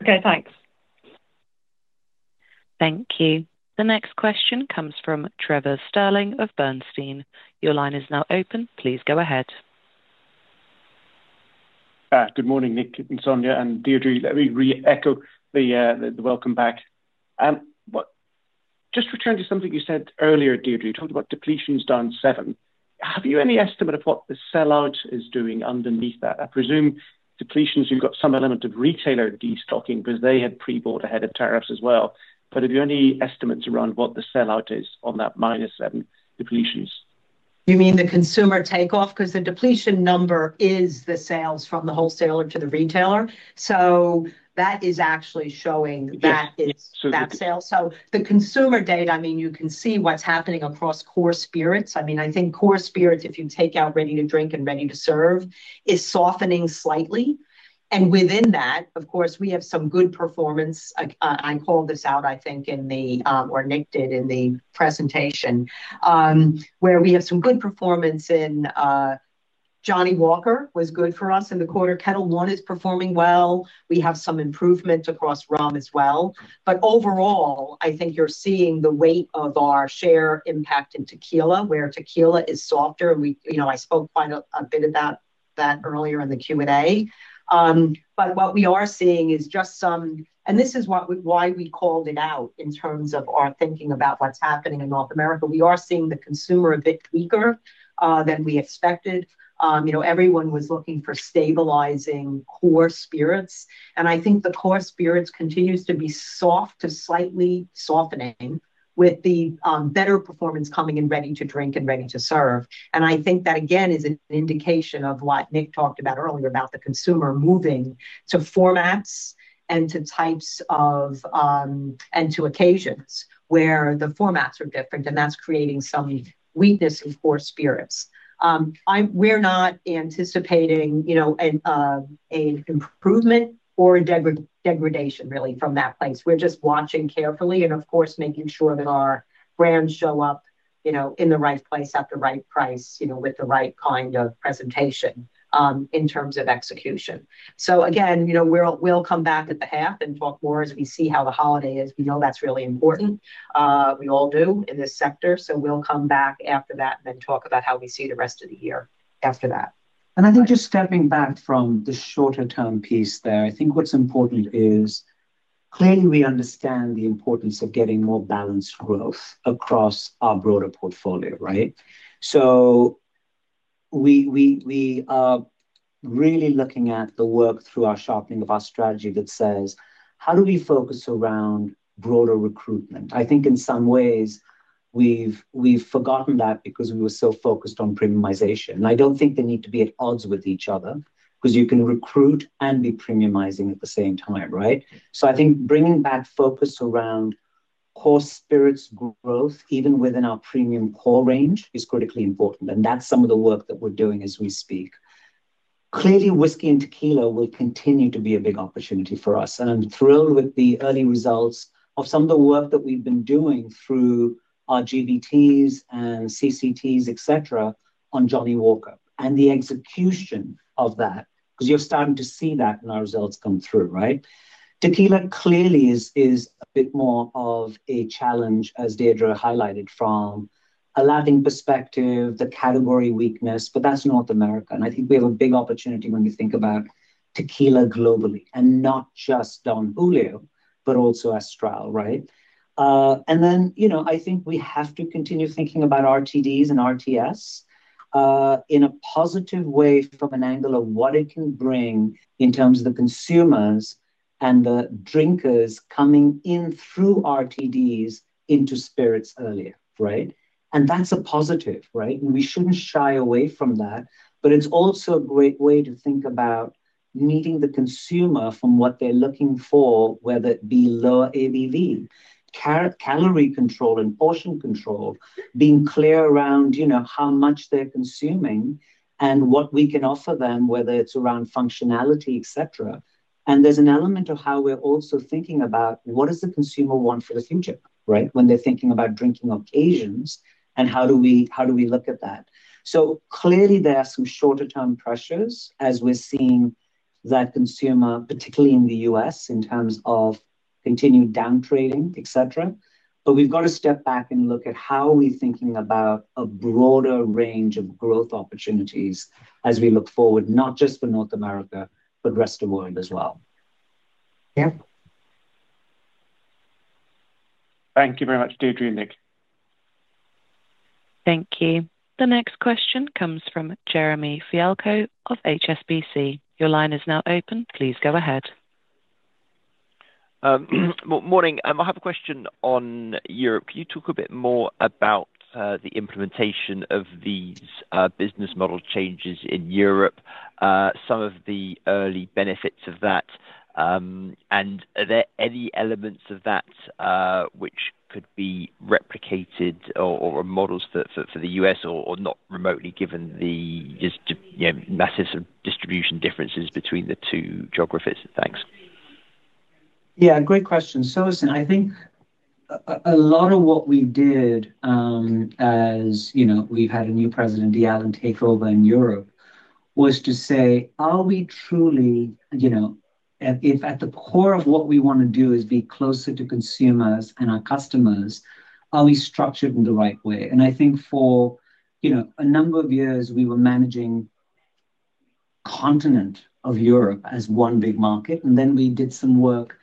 Okay, thanks. Thank you. The next question comes from Trevor Stirling of Bernstein. Your line is now open. Please go ahead. Good morning, Nik and Sonya and Deirdre. Let me re-echo the welcome back. Just return to something you said earlier, Deirdre. You talked about depletions down 7%. Have you any estimate of what the sellout is doing underneath that? I presume depletions, you've got some element of retailer destocking because they had pre-bought ahead of tariffs as well. But have you any estimates around what the sellout is on that -7% depletions? You mean the consumer takeoff? Because the depletion number is the sales from the wholesaler to the retailer. That is actually showing that it's that sale. The consumer data, I mean, you can see what's happening across core spirits. I mean, I think core spirits, if you take out ready to drink and ready to serve, is softening slightly. Within that, of course, we have some good performance. I called this out, I think, in the, or Nik did in the presentation. We have some good performance in Johnnie Walker was good for us in the quarter. Ketel One is performing well. We have some improvement across Rum as well. Overall, I think you're seeing the weight of our share impact in tequila, where tequila is softer. I spoke quite a bit about that earlier in the Q&A. But what we are seeing is just some, and this is why we called it out in terms of our thinking about what's happening in North America. We are seeing the consumer a bit weaker than we expected. Everyone was looking for stabilizing core spirits. And I think the core spirits continues to be soft to slightly softening with the better performance coming in ready to drink and ready to serve. And I think that, again, is an indication of what Nik talked about earlier about the consumer moving to formats and to types of, and to occasions where the formats are different. And that's creating some weakness in core spirits. We're not anticipating an improvement or a degradation, really, from that place. We're just watching carefully and, of course, making sure that our brands show up in the right place at the right price with the right kind of presentation in terms of execution. So again, we'll come back at the half and talk more as we see how the holiday is. We know that's really important. We all do in this sector. So we'll come back after that and then talk about how we see the rest of the year after that. And I think just stepping back from the shorter-term piece there, I think what's important is. Clearly we understand the importance of getting more balanced growth across our broader portfolio, right? So, we are really looking at the work through our sharpening of our strategy that says, how do we focus around broader recruitment? I think in some ways, we've forgotten that because we were so focused on premiumization. And I don't think they need to be at odds with each other because you can recruit and be premiumizing at the same time, right? So I think bringing back focus around core spirits growth, even within our premium core range, is critically important. And that's some of the work that we're doing as we speak. Clearly, whiskey and tequila will continue to be a big opportunity for us. I'm thrilled with the early results of some of the work that we've been doing through our GBTs and CCTs, etc., on Johnnie Walker and the execution of that because you're starting to see that in our results come through, right? Tequila clearly is a bit more of a challenge, as Deirdre highlighted, from a Latin perspective, the category weakness, but that's North America. I think we have a big opportunity when we think about tequila globally and not just Don Julio, but also Astral, right? I think we have to continue thinking about RTDs and RTS in a positive way from an angle of what it can bring in terms of the consumers and the drinkers coming in through RTDs into spirits earlier, right? That's a positive, right? We shouldn't shy away from that, but it's also a great way to think about. Meeting the consumer from what they're looking for, whether it be lower ABV. Calorie control and portion control, being clear around how much they're consuming and what we can offer them, whether it's around functionality, etc. And there's an element of how we're also thinking about what does the consumer want for the future, right? When they're thinking about drinking occasions and how do we look at that. So clearly, there are some shorter-term pressures as we're seeing that consumer, particularly in the U.S., in terms of continued downtrading, etc. But we've got to step back and look at how are we thinking about a broader range of growth opportunities as we look forward, not just for North America, but the rest of the world as well. Thank you very much, Deirdre and Nik. Thank you. The next question comes from Jeremy Fialko of HSBC. Your line is now open. Please go ahead. Morning. I have a question on Europe. Can you talk a bit more about the implementation of these business model changes in Europe, some of the early benefits of that. And are there any elements of that which could be replicated or models for the U.S. or not remotely given the massive distribution differences between the two geographies? Thanks. Yeah, great question. Listen, I think a lot of what we did as we've had a new President Dayalan takeover in Europe, was to say, are we truly—if at the core of what we want to do is be closer to consumers and our customers, are we structured in the right way? I think for a number of years, we were managing the continent of Europe as one big market. Then we did some work,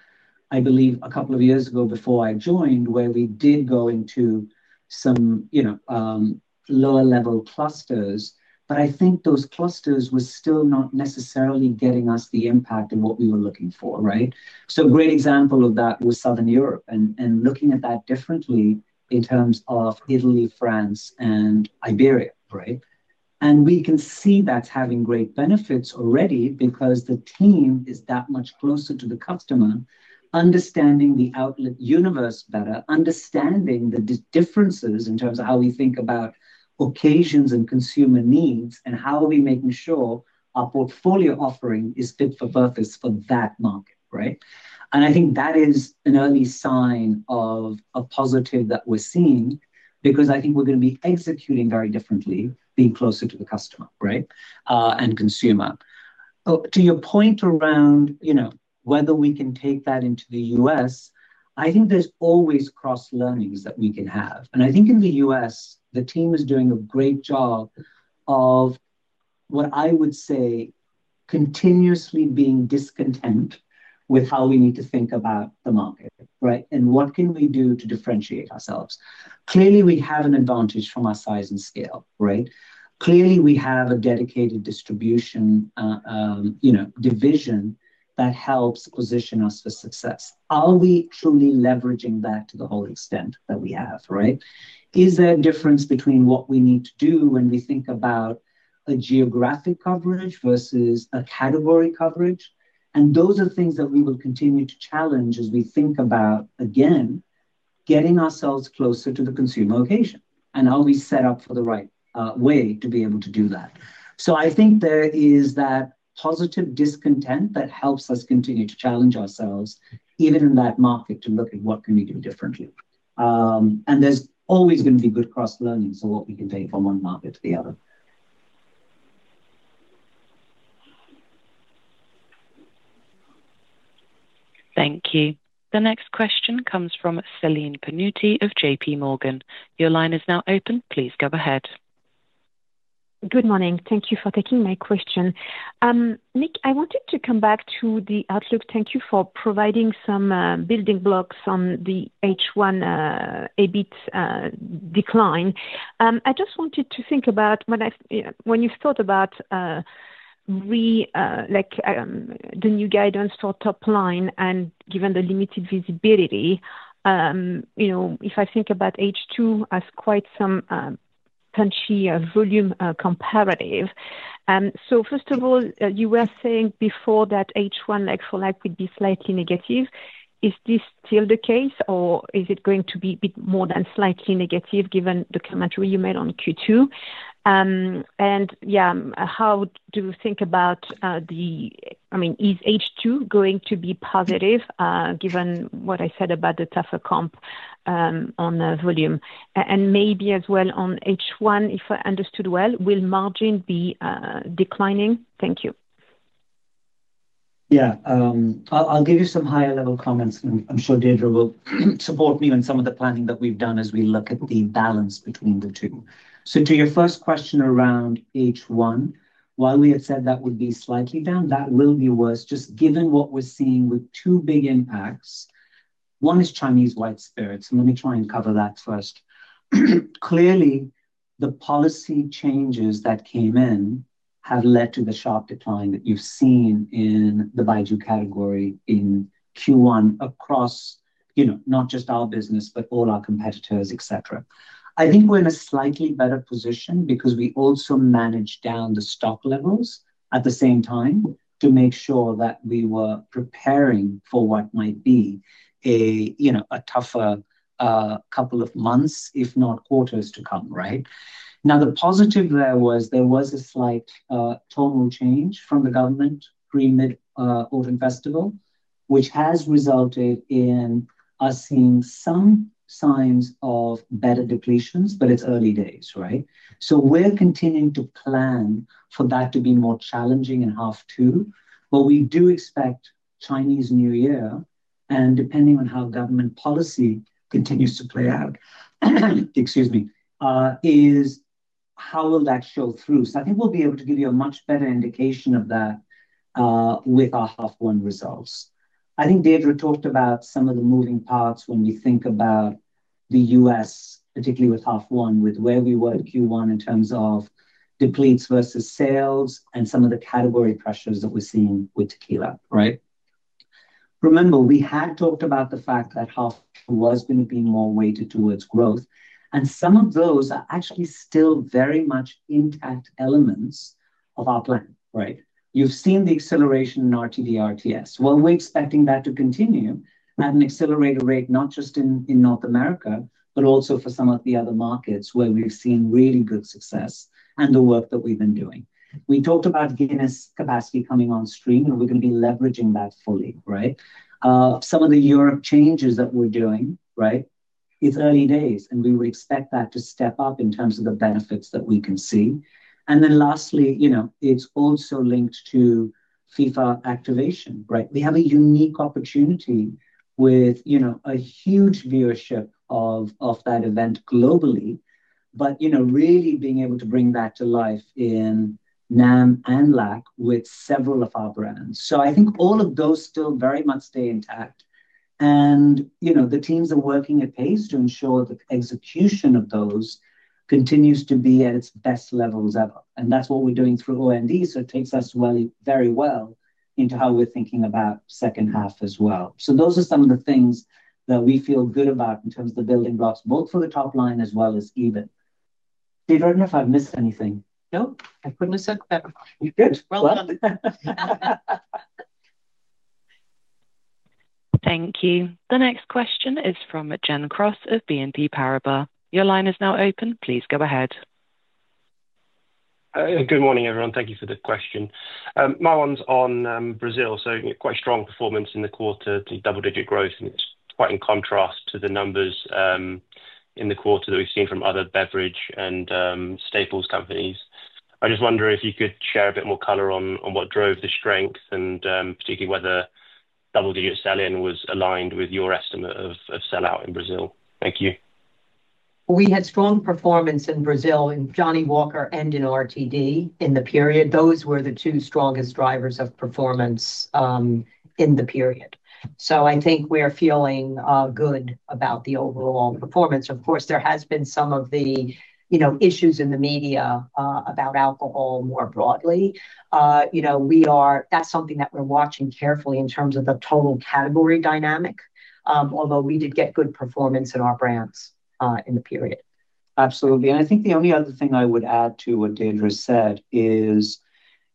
I believe, a couple of years ago before I joined, where we did go into some lower-level clusters. I think those clusters were still not necessarily getting us the impact of what we were looking for, right? A great example of that was Southern Europe and looking at that differently in terms of Italy, France, and Iberia, right? And we can see that's having great benefits already because the team is that much closer to the customer, understanding the outlet universe better, understanding the differences in terms of how we think about occasions and consumer needs and how are we making sure our portfolio offering is fit for purpose for that market, right? And I think that is an early sign of a positive that we're seeing because I think we're going to be executing very differently, being closer to the customer, right, and consumer. To your point around whether we can take that into the U.S., I think there's always cross-learnings that we can have. And I think in the U.S., the team is doing a great job of what I would say continuously being discontent with how we need to think about the market, right? And what can we do to differentiate ourselves? Clearly, we have an advantage from our size and scale, right? Clearly, we have a dedicated distribution, division that helps position us for success. Are we truly leveraging that to the whole extent that we have, right? Is there a difference between what we need to do when we think about a geographic coverage versus a category coverage? And those are things that we will continue to challenge as we think about, again, getting ourselves closer to the consumer occasion. And are we set up for the right way to be able to do that? So I think there is that positive discontent that helps us continue to challenge ourselves even in that market to look at what can we do differently. And there's always going to be good cross-learnings of what we can take from one market to the other. Thank you. The next question comes from Celine Pannuti of JPMorgan. Your line is now open. Please go ahead. Good morning. Thank you for taking my question. Nik, I wanted to come back to the outlook. Thank you for providing some building blocks on the H1 EBIT decline. I just wanted to think about when you thought about the new guidance for top line and given the limited visibility. If I think about H2 as quite some punchy volume comparative. So first of all, you were saying before that H1 for like would be slightly negative. Is this still the case, or is it going to be a bit more than slightly negative given the commentary you made on Q2? And yeah, how do you think about the, I mean, is H2 going to be positive given what I said about the tougher comp on volume? And maybe as well on H1, if I understood well, will margin be declining? Thank you. Yeah. I'll give you some higher-level comments. I'm sure Deirdre will support me on some of the planning that we've done as we look at the balance between the two. So to your first question around H1, while we had said that would be slightly down, that will be worse just given what we're seeing with two big impacts. One is Chinese white spirits. And let me try and cover that first. Clearly, the policy changes that came in have led to the sharp decline that you've seen in the Baiju category in Q1 across not just our business, but all our competitors, etc. I think we're in a slightly better position because we also managed down the stock levels at the same time to make sure that we were preparing for what might be a tougher couple of months, if not quarters, to come, right? Now, the positive there was there was a slight tonal change from the government pre-Mid-Autumn Festival, which has resulted in us seeing some signs of better depletions, but it's early days, right? So we're continuing to plan for that to be more challenging in half two. But we do expect Chinese New Year. And depending on how government policy continues to play out. Excuse me, is how will that show through? So I think we'll be able to give you a much better indication of that with our half one results. I think Deirdre talked about some of the moving parts when we think about the U.S., particularly with half one, with where we were at Q1 in terms of depletes versus sales and some of the category pressures that we're seeing with tequila, right? Remember, we had talked about the fact that half was going to be more weighted towards growth. Some of those are actually still very much intact elements of our plan, right? You've seen the acceleration in RTD, RTS. We're expecting that to continue at an accelerator rate, not just in North America, but also for some of the other markets where we've seen really good success and the work that we've been doing. We talked about Guinness capacity coming on stream, and we're going to be leveraging that fully, right? Some of the Europe changes that we're doing, right? It's early days, and we would expect that to step up in terms of the benefits that we can see. Lastly, it's also linked to FIFA activation, right? We have a unique opportunity with a huge viewership of that event globally, but really being able to bring that to life in NAM and LAC with several of our brands. So I think all of those still very much stay intact. And the teams are working at pace to ensure the execution of those continues to be at its best levels ever. And that's what we're doing through O&D, so it takes us very well into how we're thinking about second half as well. So those are some of the things that we feel good about in terms of the building blocks, both for the top line as well as EBIT. Deirdre, I don't know if I've missed anything. No, I couldn't miss it. You're good. Well done. Thank you. The next question is from Gen Cross of BNP Paribas. Your line is now open. Please go ahead. Good morning, everyone. Thank you for the question. My one's on Brazil. So quite strong performance in the quarter, double-digit growth, and it's quite in contrast to the numbers in the quarter that we've seen from other beverage and staples companies. I just wonder if you could share a bit more color on what drove the strength and particularly whether double-digit sell-in was aligned with your estimate of sell-out in Brazil. Thank you. We had strong performance in Brazil in Johnnie Walker and in RTD in the period. Those were the two strongest drivers of performance in the period. So I think we're feeling good about the overall performance. Of course, there has been some of the issues in the media about alcohol more broadly. That's something that we're watching carefully in terms of the total category dynamic, although we did get good performance in our brands in the period. Absolutely. And I think the only other thing I would add to what Deirdre said is.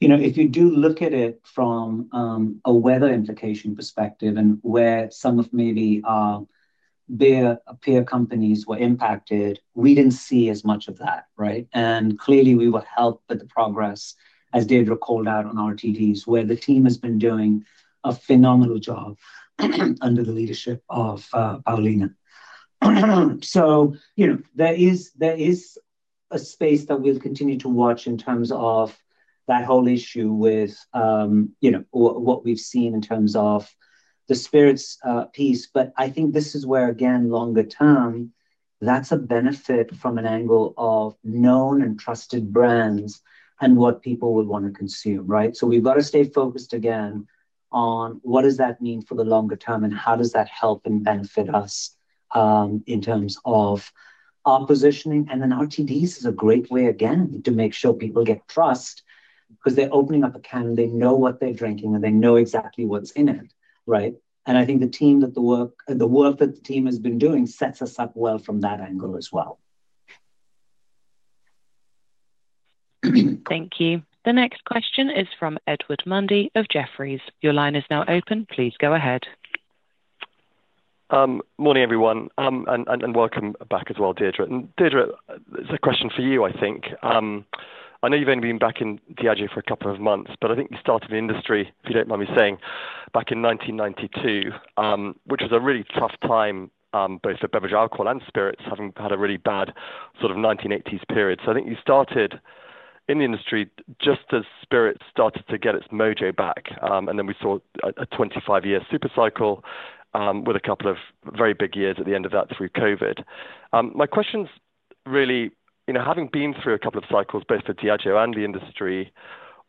If you do look at it from a weather implication perspective and where some of maybe beer companies were impacted, we didn't see as much of that, right? And clearly, we were helped with the progress, as Deirdre called out, on RTDs, where the team has been doing a phenomenal job under the leadership of Paulina. So there is a space that we'll continue to watch in terms of that whole issue with what we've seen in terms of the spirits piece. But I think this is where, again, longer term, that's a benefit from an angle of known and trusted brands and what people would want to consume, right? So we've got to stay focused again on what does that mean for the longer term and how does that help and benefit us in terms of our positioning. And then RTDs is a great way, again, to make sure people get trust because they're opening up a can, they know what they're drinking, and they know exactly what's in it, right? And I think the team that the work that the team has been doing sets us up well from that angle as well. Thank you. The next question is from Edward Mundy of Jefferies. Your line is now open. Please go ahead. Morning, everyone, and welcome back as well, Deirdre. And Deirdre, there's a question for you, I think. I know you've only been back in Diageo for a couple of months, but I think you started the industry, if you don't mind me saying, back in 1992, which was a really tough time both for beverage alcohol and spirits, having had a really bad sort of 1980s period. So I think you started in the industry just as spirits started to get its mojo back. And then we saw a 25-year super cycle with a couple of very big years at the end of that through COVID. My question's really, having been through a couple of cycles both for Diageo and the industry,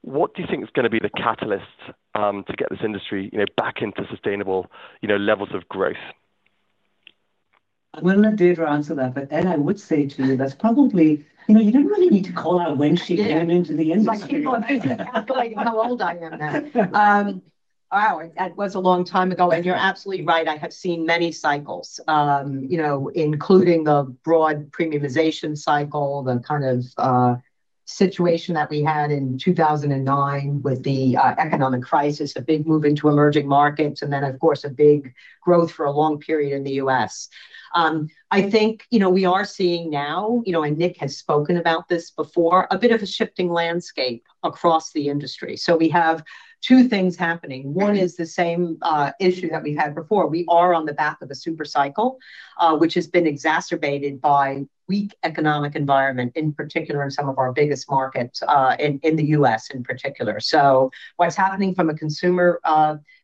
what do you think is going to be the catalyst to get this industry back into sustainable levels of growth? I'm going to let Deirdre answer that. Ed, I would say to you, that's probably you don't really need to call out when she came into the industry. But people are basically asking how old I am now. Wow, it was a long time ago, and you're absolutely right. I have seen many cycles, including the broad premiumization cycle, the kind of situation that we had in 2009 with the economic crisis, a big move into emerging markets, and then, of course, a big growth for a long period in the U.S. I think we are seeing now, and Nik has spoken about this before, a bit of a shifting landscape across the industry, so we have two things happening. One is the same issue that we had before. We are on the back of a super cycle, which has been exacerbated by a weak economic environment, in particular in some of our biggest markets in the U.S. in particular. So what's happening from a consumer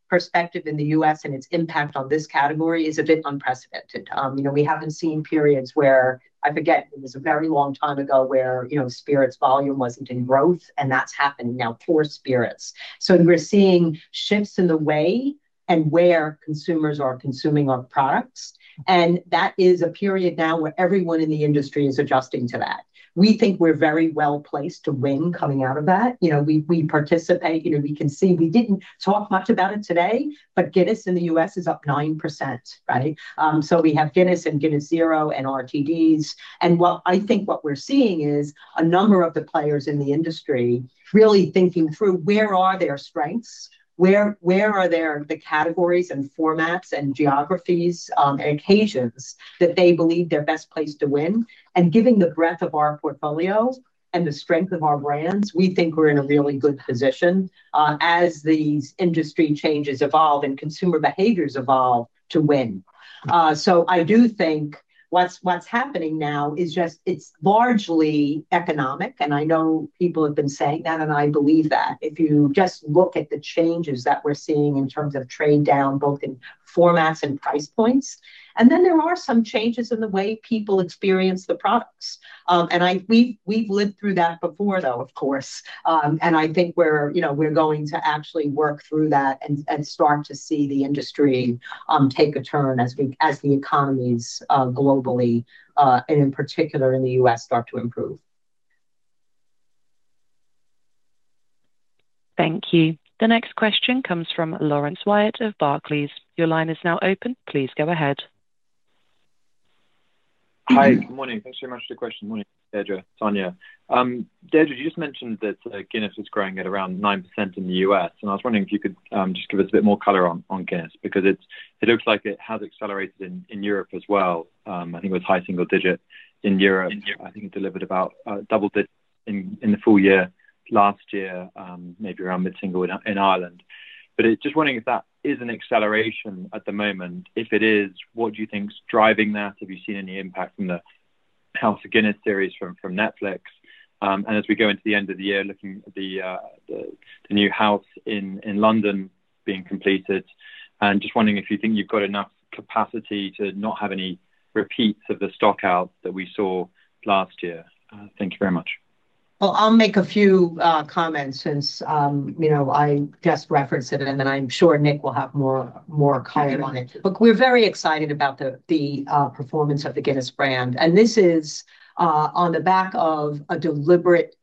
perspective in the U.S. and its impact on this category is a bit unprecedented. We haven't seen periods where I forget, it was a very long time ago where spirits volume wasn't in growth, and that's happening now for spirits. So we're seeing shifts in the way and where consumers are consuming our products. And that is a period now where everyone in the industry is adjusting to that. We think we're very well-placed to win coming out of that. We participate. We can see we didn't talk much about it today, but Guinness in the U.S. is up 9%, right? So we have Guinness and Guinness 0.0 and RTDs. I think what we're seeing is a number of the players in the industry really thinking through where are their strengths, where are the categories and formats and geographies and occasions that they believe they're best placed to win. Given the breadth of our portfolio and the strength of our brands, we think we're in a really good position as these industry changes evolve and consumer behaviors evolve to win. I do think what's happening now is just it's largely economic. I know people have been saying that, and I believe that. If you just look at the changes that we're seeing in terms of trade down both in formats and price points, and then there are some changes in the way people experience the products. We've lived through that before, though, of course. I think we're going to actually work through that and start to see the industry take a turn as the economies globally, and in particular in the U.S., start to improve. Thank you. The next question comes from Laurence Whyatt of Barclays. Your line is now open. Please go ahead. Hi, good morning. Thanks very much for the question. Morning, Deirdre, Sonya. Deirdre, you just mentioned that Guinness is growing at around 9% in the U.S. I was wondering if you could just give us a bit more color on Guinness because it looks like it has accelerated in Europe as well. I think it was high single digit in Europe. I think it delivered about double-digit in the full year last year, maybe around mid-single in Ireland. Just wondering if that is an acceleration at the moment. If it is, what do you think is driving that? Have you seen any impact from the House of Guinness series from Netflix? As we go into the end of the year, looking at the new house in London being completed, and just wondering if you think you've got enough capacity to not have any repeats of the stockout that we saw last year. Thank you very much. I'll make a few comments since I guess referenced it, and then I'm sure Nik will have more color on it. But we're very excited about the performance of the Guinness brand. And this is on the back of a deliberate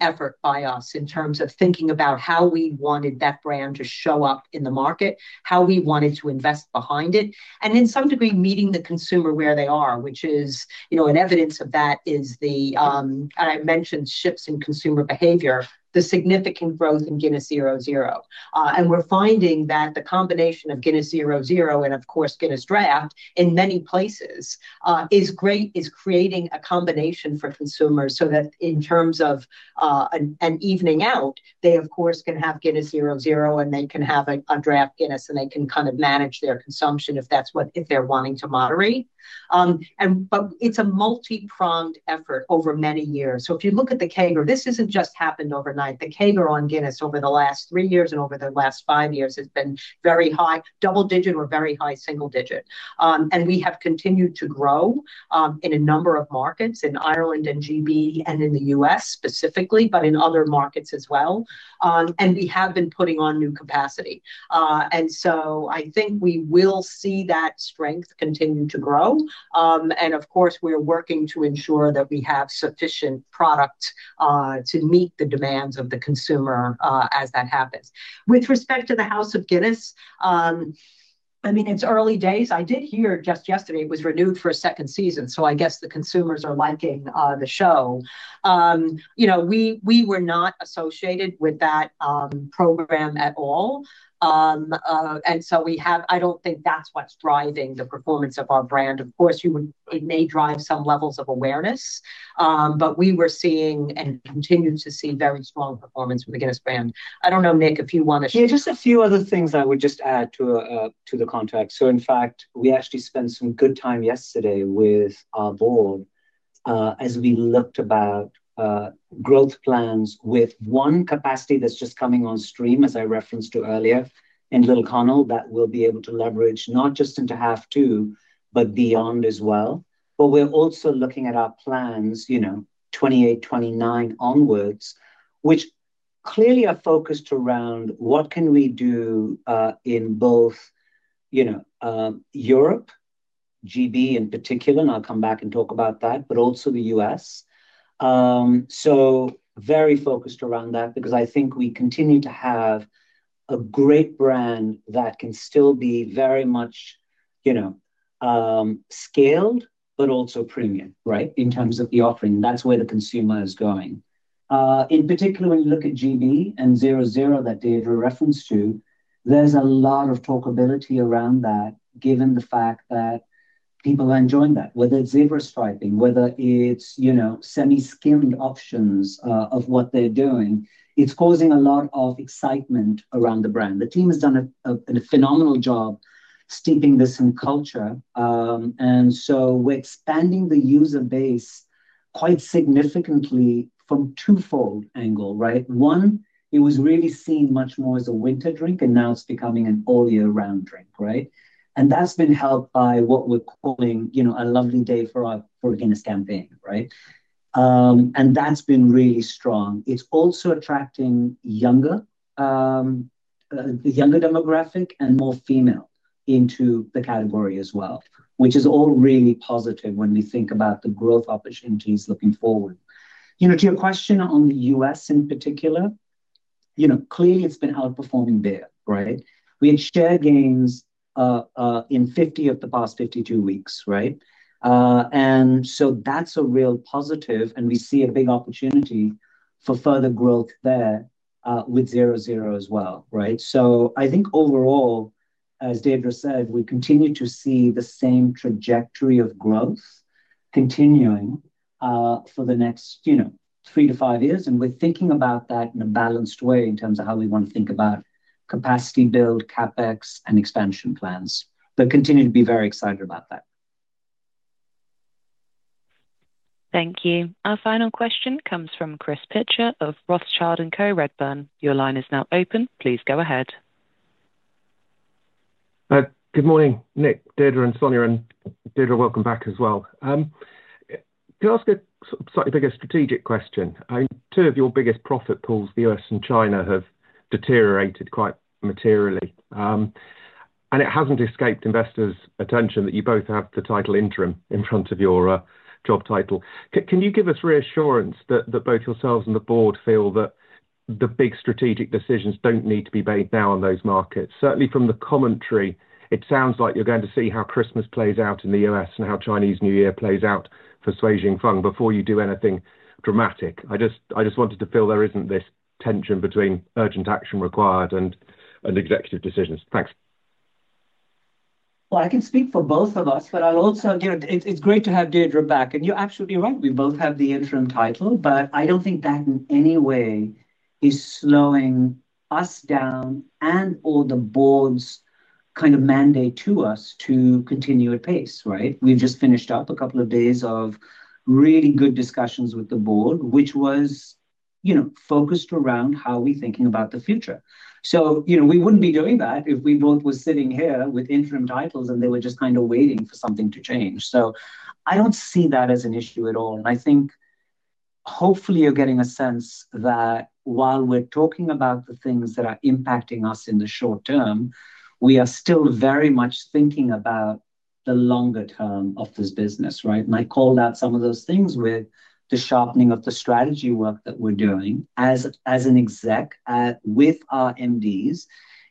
effort by us in terms of thinking about how we wanted that brand to show up in the market, how we wanted to invest behind it, and in some degree meeting the consumer where they are, which is evidence of that is the, I mentioned shifts in consumer behavior, the significant growth in Guinness 0.0. And we're finding that the combination of Guinness 0.0 and, of course, Guinness Draught in many places is creating a combination for consumers so that in terms of an evening out, they, of course, can have Guinness 0.0 and they can have a Draught Guinness and they can kind of manage their consumption if that's what they're wanting to moderate. It's a multi-pronged effort over many years. If you look at the CAGR, this isn't just happened overnight. The CAGR on Guinness over the last three years and over the last five years has been very high, double-digit or very high single digit. We have continued to grow in a number of markets, in Ireland and GB and in the U.S. specifically, but in other markets as well. We have been putting on new capacity. I think we will see that strength continue to grow. Of course, we're working to ensure that we have sufficient product to meet the demands of the consumer as that happens. With respect to the House of Guinness, I mean, it's early days. I did hear just yesterday it was renewed for a second season, so I guess the consumers are liking the show. We were not associated with that program at all. So I don't think that's what's driving the performance of our brand. Of course, it may drive some levels of awareness. We were seeing and continue to see very strong performance with the Guinness brand. I don't know, Nik, if you want to share. Yeah, just a few other things I would just add to the context. In fact, we actually spent some good time yesterday with our Board as we looked about growth plans with one capacity that's just coming on stream, as I referenced earlier, in Little Connell that will be able to leverage not just into half two, but beyond as well. We're also looking at our plans 2028, 2029 onwards, which clearly are focused around what can we do in both Europe, GB in particular, and I'll come back and talk about that, but also the U.S. Very focused around that because I think we continue to have a great brand that can still be very much scaled, but also premium, right, in terms of the offering. That's where the consumer is going. In particular, when you look at GB and 0.0 that Deirdre referenced to, there's a lot of talkability around that given the fact that people are enjoying that. Whether it's zebra striping, whether it's semi-skimmed options of what they're doing, it's causing a lot of excitement around the brand. The team has done a phenomenal job steeping this in culture. We're expanding the user base quite significantly from a twofold angle, right? One, it was really seen much more as a winter drink, and now it's becoming an all-year-round drink, right? That's been helped by what we're calling a lovely day for our Guinness campaign, right? That's been really strong. It's also attracting younger demographic and more female into the category as well, which is all really positive when we think about the growth opportunities looking forward. To your question on the U.S. in particular. Clearly, it's been outperforming there, right? We had share gains in 50 of the past 52 weeks, right? So that's a real positive, and we see a big opportunity for further growth there with 0.0 as well, right? So I think overall, as Deirdre said, we continue to see the same trajectory of growth continuing for the next three to five years. We're thinking about that in a balanced way in terms of how we want to think about capacity build, CapEx, and expansion plans. But continue to be very excited about that. Thank you. Our final question comes from Chris Pitcher of Rothschild & Co Redburn. Your line is now open. Please go ahead. Good morning, Nik, Deirdre, and Sonya. Deirdre, welcome back as well. Can I ask a slightly bigger strategic question? Two of your biggest profit pools, the U.S. and China, have deteriorated quite materially. It hasn't escaped investors' attention that you both have the title interim in front of your job title. Can you give us reassurance that both yourselves and the Board feel that the big strategic decisions don't need to be made now on those markets? Certainly from the commentary, it sounds like you're going to see how Christmas plays out in the U.S. and how Chinese New Year plays out for Shui Jing Fang before you do anything dramatic. I just wanted to feel there isn't this tension between urgent action required and executive decisions. Thanks. Well, I can speak for both of us, but I also, it's great to have Deirdre back. And you're absolutely right. We both have the Interim title, but I don't think that in any way is slowing us down and/or the Board's kind of mandate to us to continue at pace, right? We've just finished up a couple of days of really good discussions with the Board, which was focused around how we're thinking about the future. So we wouldn't be doing that if we both were sitting here with Interim titles and they were just kind of waiting for something to change. So I don't see that as an issue at all. And I think hopefully you're getting a sense that while we're talking about the things that are impacting us in the short-term, we are still very much thinking about the longer term of this business, right? And I called out some of those things with the sharpening of the strategy work that we're doing as an exec with our MDs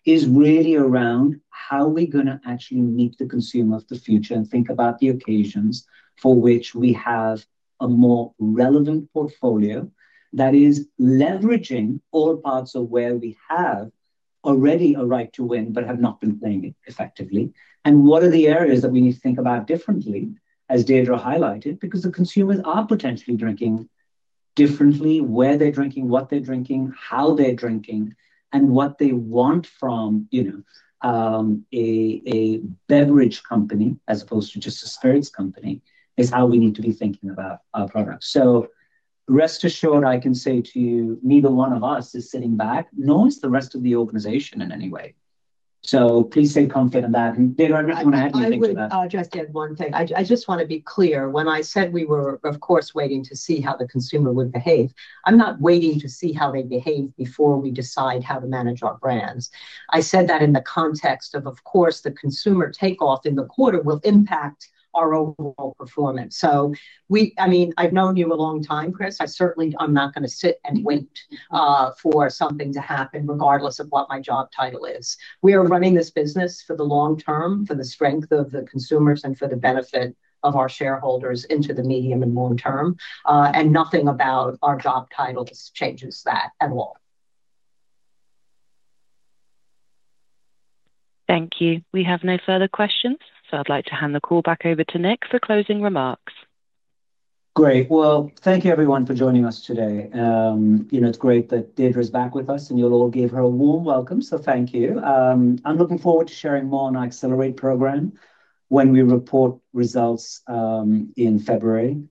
is really around how we're going to actually meet the consumer of the future and think about the occasions for which we have a more relevant portfolio that is leveraging all parts of where we have already a right to win but have not been playing it effectively. And what are the areas that we need to think about differently, as Deirdre highlighted, because the consumers are potentially drinking differently, where they're drinking, what they're drinking, how they're drinking, and what they want from a beverage company as opposed to just a spirits company is how we need to be thinking about our product. So rest assured, I can say to you, neither one of us is sitting back, nor is the rest of the organization in any way. So please stay confident of that. And Deirdre, I don't want to add anything to that. I'll just add one thing. I just want to be clear. When I said we were, of course, waiting to see how the consumer would behave, I'm not waiting to see how they behave before we decide how to manage our brands. I said that in the context of, of course, the consumer takeoff in the quarter will impact our overall performance. So I mean, I've known you a long time, Chris. I certainly am not going to sit and wait for something to happen regardless of what my job title is. We are running this business for the long-term, for the strength of the consumers and for the benefit of our shareholders into the medium and long-term. And nothing about our job titles changes that at all. Thank you. We have no further questions. So I'd like to hand the call back over to Nik for closing remarks. Great. Well, thank you, everyone, for joining us today. It's great that Deirdre is back with us, and you'll all give her a warm welcome. So thank you. I'm looking forward to sharing more on our Accelerate programme when we report results in February.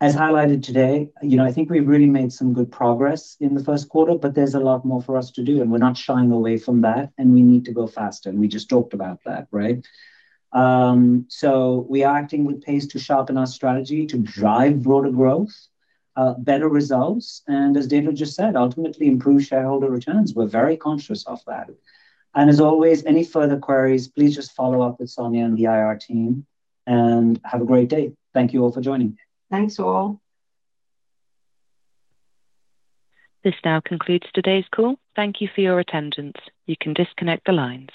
As highlighted today, I think we've really made some good progress in the first quarter, but there's a lot more for us to do. And we're not shying away from that. And we need to go faster. And we just talked about that, right? So we are acting with pace to sharpen our strategy to drive broader growth, better results, and, as Deirdre just said, ultimately improve shareholder returns. We're very conscious of that. And as always, any further queries, please just follow up with Sonia and the IR team. And have a great day. Thank you all for joining. Thanks all. This now concludes today's call. Thank you for your attendance. You can disconnect the lines.